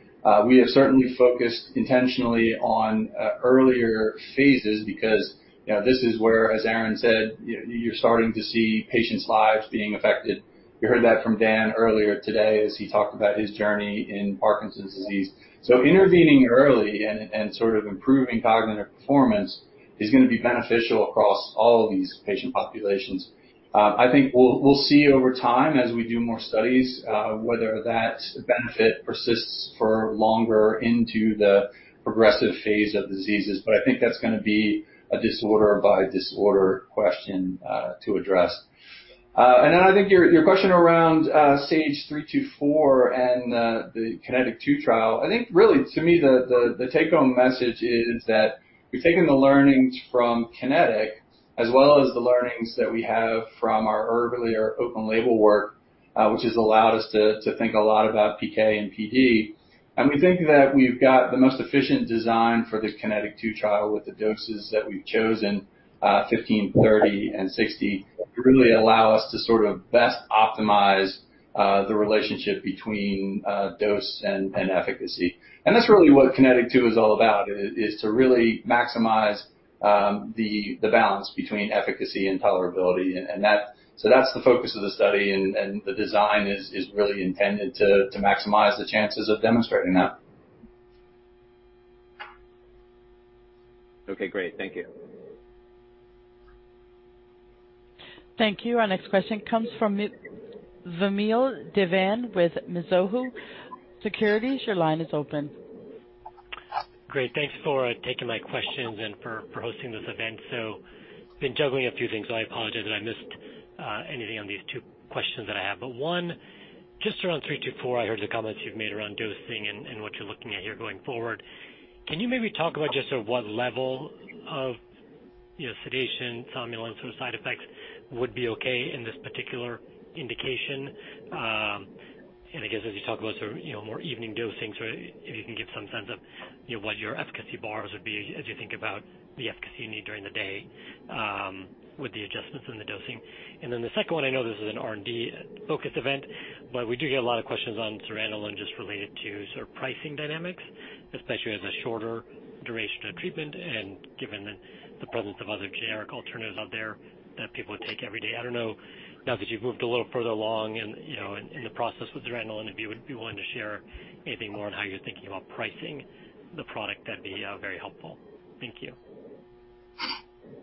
H: We have certainly focused intentionally on earlier phases because, you know, this is where, as Aaron said, you're starting to see patients' lives being affected. You heard that from Dan earlier today as he talked about his journey in Parkinson's disease. Intervening early and sort of improving cognitive performance is gonna be beneficial across all of these patient populations. I think we'll see over time as we do more studies, whether that benefit persists for longer into the progressive phase of diseases. I think that's gonna be a disorder by disorder question to address. I think your question around SAGE-324 and the KINETIC 2 trial. I think really to me the take-home message is that we've taken the learnings from KINETIC as well as the learnings that we have from our earlier open-label work, which has allowed us to think a lot about PK and PD. We think that we've got the most efficient design for this KINETIC 2 trial with the doses that we've chosen, 15 mg, 30 mg and 60 mg, to really allow us to sort of best optimize the relationship between dose and efficacy. That's really what KINETIC 2 is all about, is to really maximize the balance between efficacy and tolerability. That's the focus of the study and the design is really intended to maximize the chances of demonstrating that.
T: Okay, great. Thank you.
I: Thank you. Our next question comes from Vamil Divan with Mizuho Securities. Your line is open.
U: Great. Thanks for taking my questions and for hosting this event. Been juggling a few things, so I apologize if I missed anything on these two questions that I have. One, just around 324, I heard the comments you've made around dosing and what you're looking at here going forward. Can you maybe talk about just sort of what level of, you know, sedation, somnolence, or side effects would be okay in this particular indication? I guess as you talk about sort of, you know, more evening dosing, so if you can give some sense of, you know, what your efficacy bars would be as you think about the efficacy you need during the day, with the adjustments in the dosing. Then the second one, I know this is an R&D focused event, but we do get a lot of questions on zuranolone just related to sort of pricing dynamics, especially as a shorter duration of treatment and given the presence of other generic alternatives out there that people would take every day. I don't know, now that you've moved a little further along in, you know, in the process with zuranolone, if you would be willing to share anything more on how you're thinking about pricing the product, that'd be very helpful. Thank you.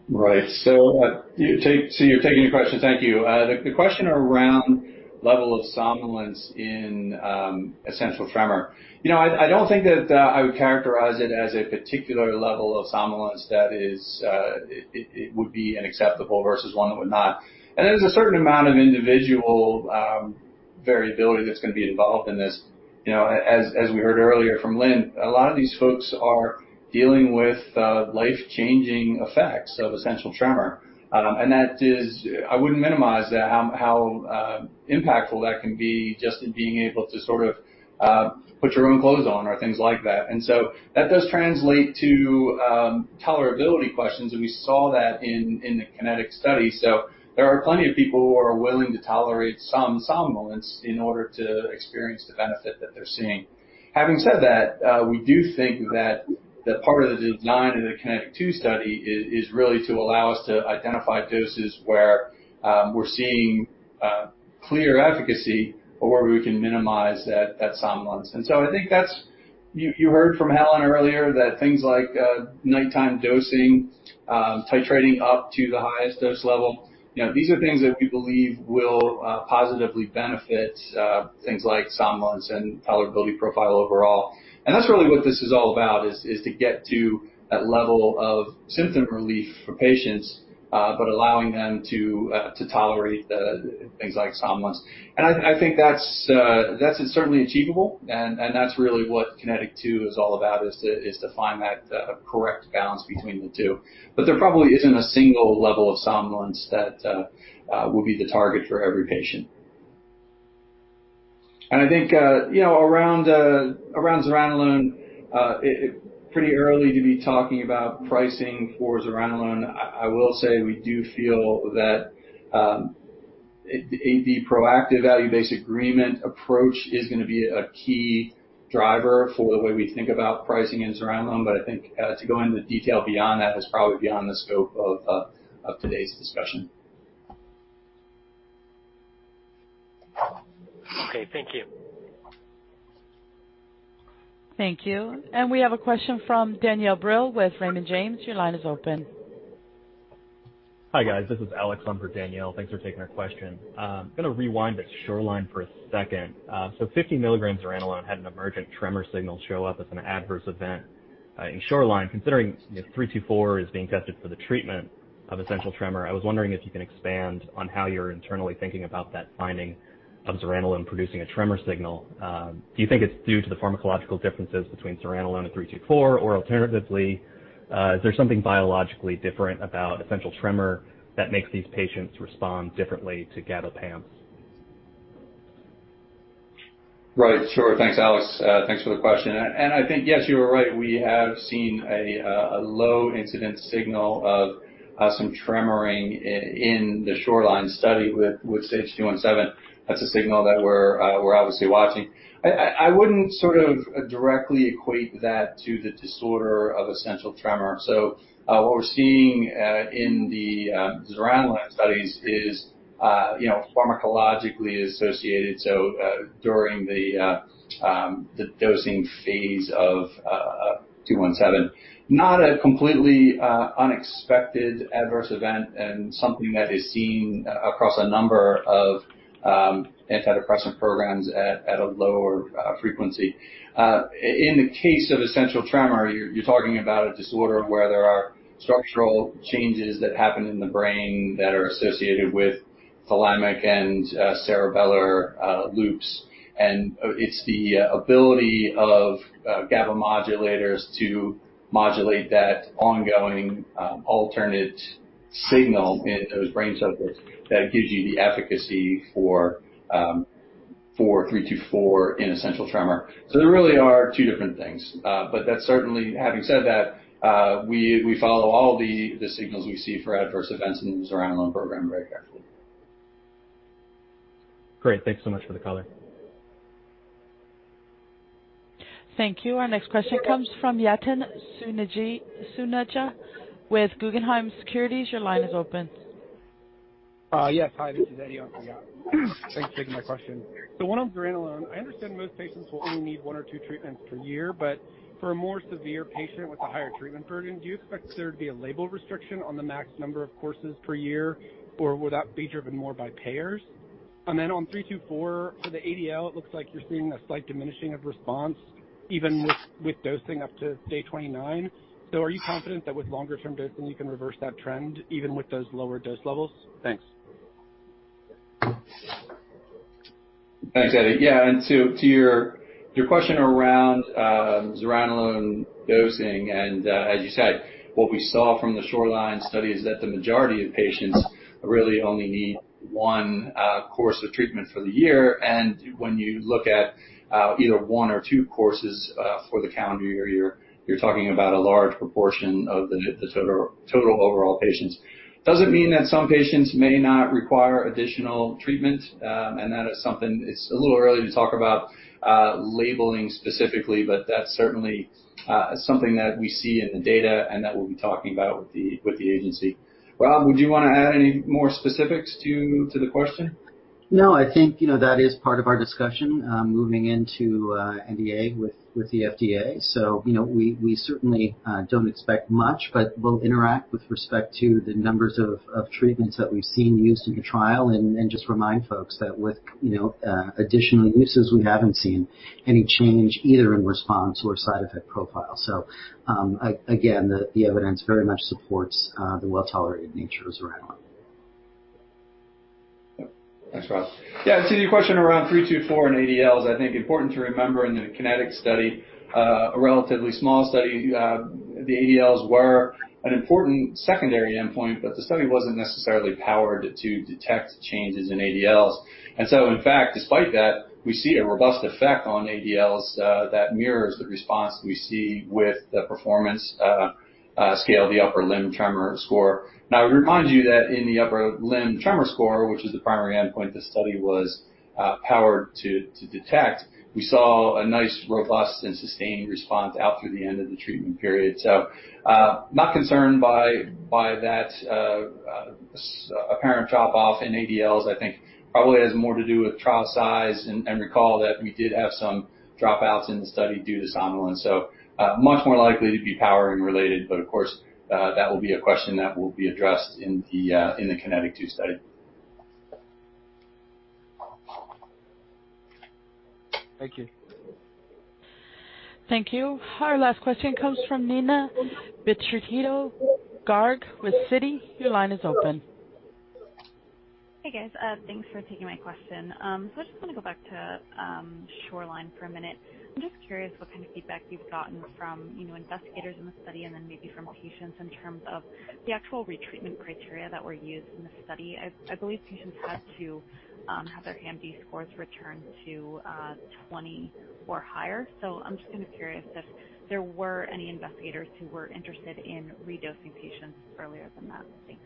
H: Right. You're taking the question. Thank you. The question around level of somnolence in essential tremor. You know, I don't think that I would characterize it as a particular level of somnolence that is it would be unacceptable versus one that would not. There's a certain amount of individual variability that's gonna be involved in this. As we heard earlier from Lynn, a lot of these folks are dealing with life-changing effects of essential tremor. That is, I wouldn't minimize that how impactful that can be just in being able to sort of put your own clothes on or things like that. That does translate to tolerability questions, and we saw that in the KINETIC study. There are plenty of people who are willing to tolerate some somnolence in order to experience the benefit that they're seeing. Having said that, we do think that the part of the design of the KINETIC 2 study is really to allow us to identify doses where we're seeing clear efficacy or where we can minimize that somnolence. I think that's. You heard from Helen earlier that things like nighttime dosing, titrating up to the highest dose level. You know, these are things that we believe will positively benefit things like somnolence and tolerability profile overall. That's really what this is all about, is to get to that level of symptom relief for patients, but allowing them to tolerate things like somnolence. I think that's certainly achievable and that's really what KINETIC 2 is all about, is to find that correct balance between the two. There probably isn't a single level of somnolence that will be the target for every patient. I think, you know, around zuranolone, it's pretty early to be talking about pricing for zuranolone. I will say we do feel that the proactive value-based agreement approach is gonna be a key driver for the way we think about pricing in zuranolone. I think to go into detail beyond that is probably beyond the scope of today's discussion.
U: Okay, thank you.
I: Thank you. We have a question from Danielle Brill with Raymond James. Your line is open.
V: Hi, guys. This is Alex on for Danielle. Thanks for taking our question. Gonna rewind to SHORELINE for a second. So 50 mg zuranolone had an emergent tremor signal show up as an adverse event in SHORELINE. Considering if SAGE-324 is being tested for the treatment of essential tremor, I was wondering if you can expand on how you're internally thinking about that finding of zuranolone producing a tremor signal. Do you think it's due to the pharmacological differences between zuranolone and SAGE-324? Or alternatively, is there something biologically different about essential tremor that makes these patients respond differently to GABA PAMs?
H: Right. Sure. Thanks, Alex. Thanks for the question. I think, yes, you are right. We have seen a low incidence signal of some tremor in the SHORELINE study with SAGE-217. That's a signal that we're obviously watching. I wouldn't sort of directly equate that to the disorder of essential tremor. What we're seeing in the zuranolone studies is you know, pharmacologically associated, so during the dosing phase of SAGE-217. Not a completely unexpected adverse event and something that is seen across a number of antidepressant programs at a lower frequency. In the case of essential tremor, you're talking about a disorder where there are structural changes that happen in the brain that are associated with thalamic and cerebellar loops. It's the ability of GABA modulators to modulate that ongoing alternate signal in those brain circuits that gives you the efficacy for 324 in essential tremor. There really are two different things. That certainly having said that, we follow all the signals we see for adverse events in the zuranolone program very carefully.
V: Great. Thanks so much for the color.
I: Thank you. Our next question comes from Yatin Suneja with Guggenheim Securities. Your line is open.
W: Yes. Hi, this is Eddie. Sorry. Thanks for taking my question. So one on zuranolone. I understand most patients will only need one or two treatments per year, but for a more severe patient with a higher treatment burden, do you expect there to be a label restriction on the max number of courses per year, or would that be driven more by payers? And then on 324, for the ADL, it looks like you're seeing a slight diminishing of response even with dosing up to day 29. So are you confident that with longer term dosing you can reverse that trend even with those lower dose levels? Thanks.
H: Thanks, Eddie. Yeah. To your question around zuranolone dosing, and as you said, what we saw from the SHORELINE study is that the majority of patients really only need one course of treatment for the year. When you look at either one or two courses for the calendar year, you're talking about a large proportion of the total overall patients. Doesn't mean that some patients may not require additional treatment, and that is something it's a little early to talk about labeling specifically, but that's certainly something that we see in the data and that we'll be talking about with the agency. Rob, would you want to add any more specifics to the question?
C: No, I think, you know, that is part of our discussion, moving into NDA with the FDA. You know, we certainly don't expect much, but we'll interact with respect to the numbers of treatments that we've seen used in the trial and just remind folks that with, you know, additional uses, we haven't seen any change either in response or side effect profile. Again, the evidence very much supports the well-tolerated nature of zuranolone.
H: Thanks, Rob. Yeah. To your question around 324 and ADLs, I think it's important to remember in the KINETIC study, a relatively small study, the ADLs were an important secondary endpoint, but the study wasn't necessarily powered to detect changes in ADLs. In fact, despite that, we see a robust effect on ADLs that mirrors the response we see with the performance scale, the upper limb tremor score. Now, I would remind you that in the upper limb tremor score, which is the primary endpoint the study was powered to detect, we saw a nice, robust and sustained response out through the end of the treatment period. Not concerned by that apparent drop-off in ADLs, I think probably has more to do with trial size. Recall that we did have some dropouts in the study due to somnolence. Much more likely to be powering related. That will be a question that will be addressed in the KINETIC 2 study.
W: Thank you.
I: Thank you. Our last question comes from Neena Bitritto-Garg with Citi. Your line is open.
X: Hey, guys. Thanks for taking my question. I just want to go back to SHORELINE for a minute. I'm just curious what kind of feedback you've gotten from, you know, investigators in the study and then maybe from patients in terms of the actual retreatment criteria that were used in the study. I believe patients had to have their HAMD scores return to 20 or higher. I'm just kind of curious if there were any investigators who were interested in redosing patients earlier than that. Thanks.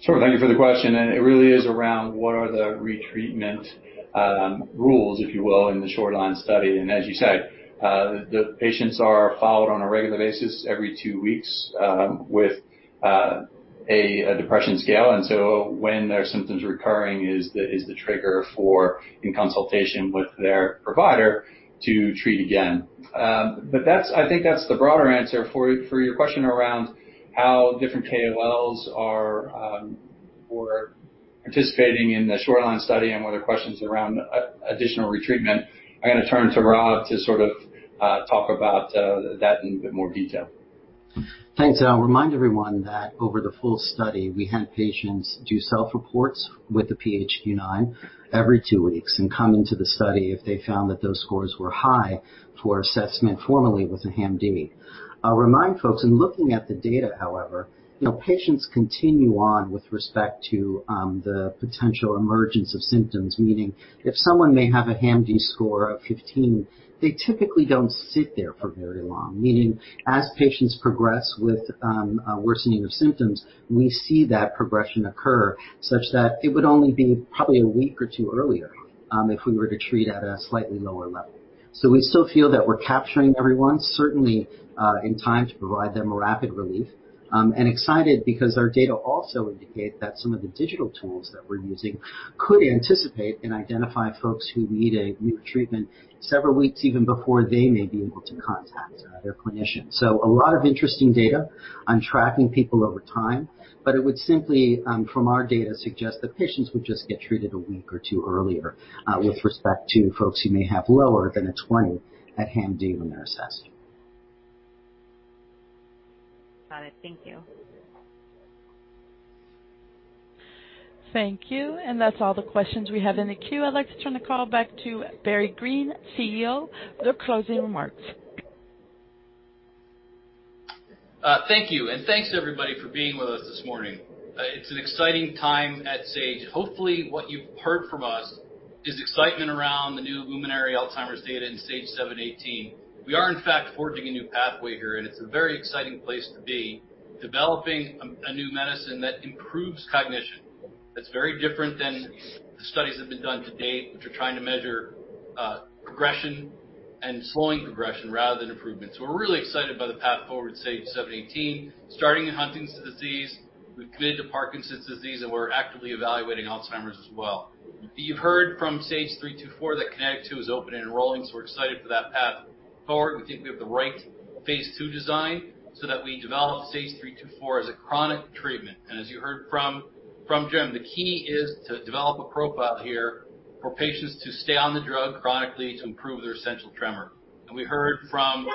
H: Sure. Thank you for the question. It really is around what are the retreatment rules, if you will, in the SHORELINE study. As you say, the patients are followed on a regular basis every two weeks with a depression scale. When their symptoms recurring is the trigger for in consultation with their provider to treat again. I think that's the broader answer. For your question around how different KOLs are for participating in the SHORELINE study and whether questions around additional retreatment. I'm gonna turn to Rob to sort of talk about that in a bit more detail.
C: Thanks. I'll remind everyone that over the full study, we had patients do self reports with the PHQ-9 every two weeks and come into the study if they found that those scores were high for assessment formally with a HAMD. I'll remind folks in looking at the data, however, you know, patients continue on with respect to the potential emergence of symptoms. Meaning, if someone may have a HAMD score of 15, they typically don't sit there for very long. Meaning, as patients progress with a worsening of symptoms, we see that progression occur such that it would only be probably a week or two earlier if we were to treat at a slightly lower level. We still feel that we're capturing everyone, certainly, in time to provide them rapid relief, and excited because our data also indicate that some of the digital tools that we're using could anticipate and identify folks who need a new treatment several weeks even before they may be able to contact their clinician. A lot of interesting data on tracking people over time, but it would simply, from our data, suggest that patients would just get treated a week or two earlier, with respect to folks who may have lower than a 20 at HAMD when they're assessed.
X: Got it. Thank you.
I: Thank you. That's all the questions we have in the queue. I'd like to turn the call back to Barry Greene, Chief Executive Officer, for closing remarks.
B: Thank you. Thanks to everybody for being with us this morning. It's an exciting time at Sage. Hopefully, what you've heard from us is excitement around the new Luminary Alzheimer's data in SAGE-718. We are in fact forging a new pathway here, and it's a very exciting place to be, developing a new medicine that improves cognition. That's very different than the studies that have been done to date, which are trying to measure progression and slowing progression rather than improvement. We're really excited by the path forward SAGE-718, starting in Huntington's disease. We've committed to Parkinson's disease, and we're actively evaluating Alzheimer's as well. You've heard from SAGE-324 that KINETIC 2 is open and enrolling, so we're excited for that path forward. We think we have the right phase II design so that we develop SAGE-324 as a chronic treatment. As you heard from Jim, the key is to develop a profile here for patients to stay on the drug chronically to improve their essential tremor. We heard from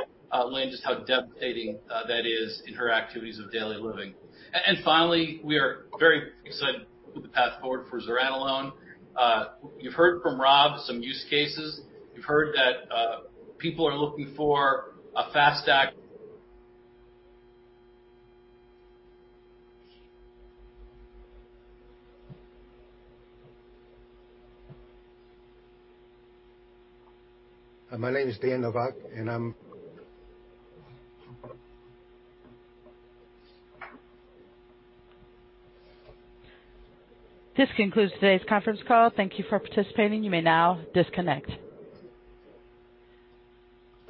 B: Lynn just how devastating that is in her activities of daily living. Finally, we are very excited with the path forward for zuranolone. You've heard from Rob some use cases. You've heard that people are looking for a fast act-
Y: My name is Dan Novak, and I'm-
I: This concludes today's conference call. Thank you for participating. You may now disconnect.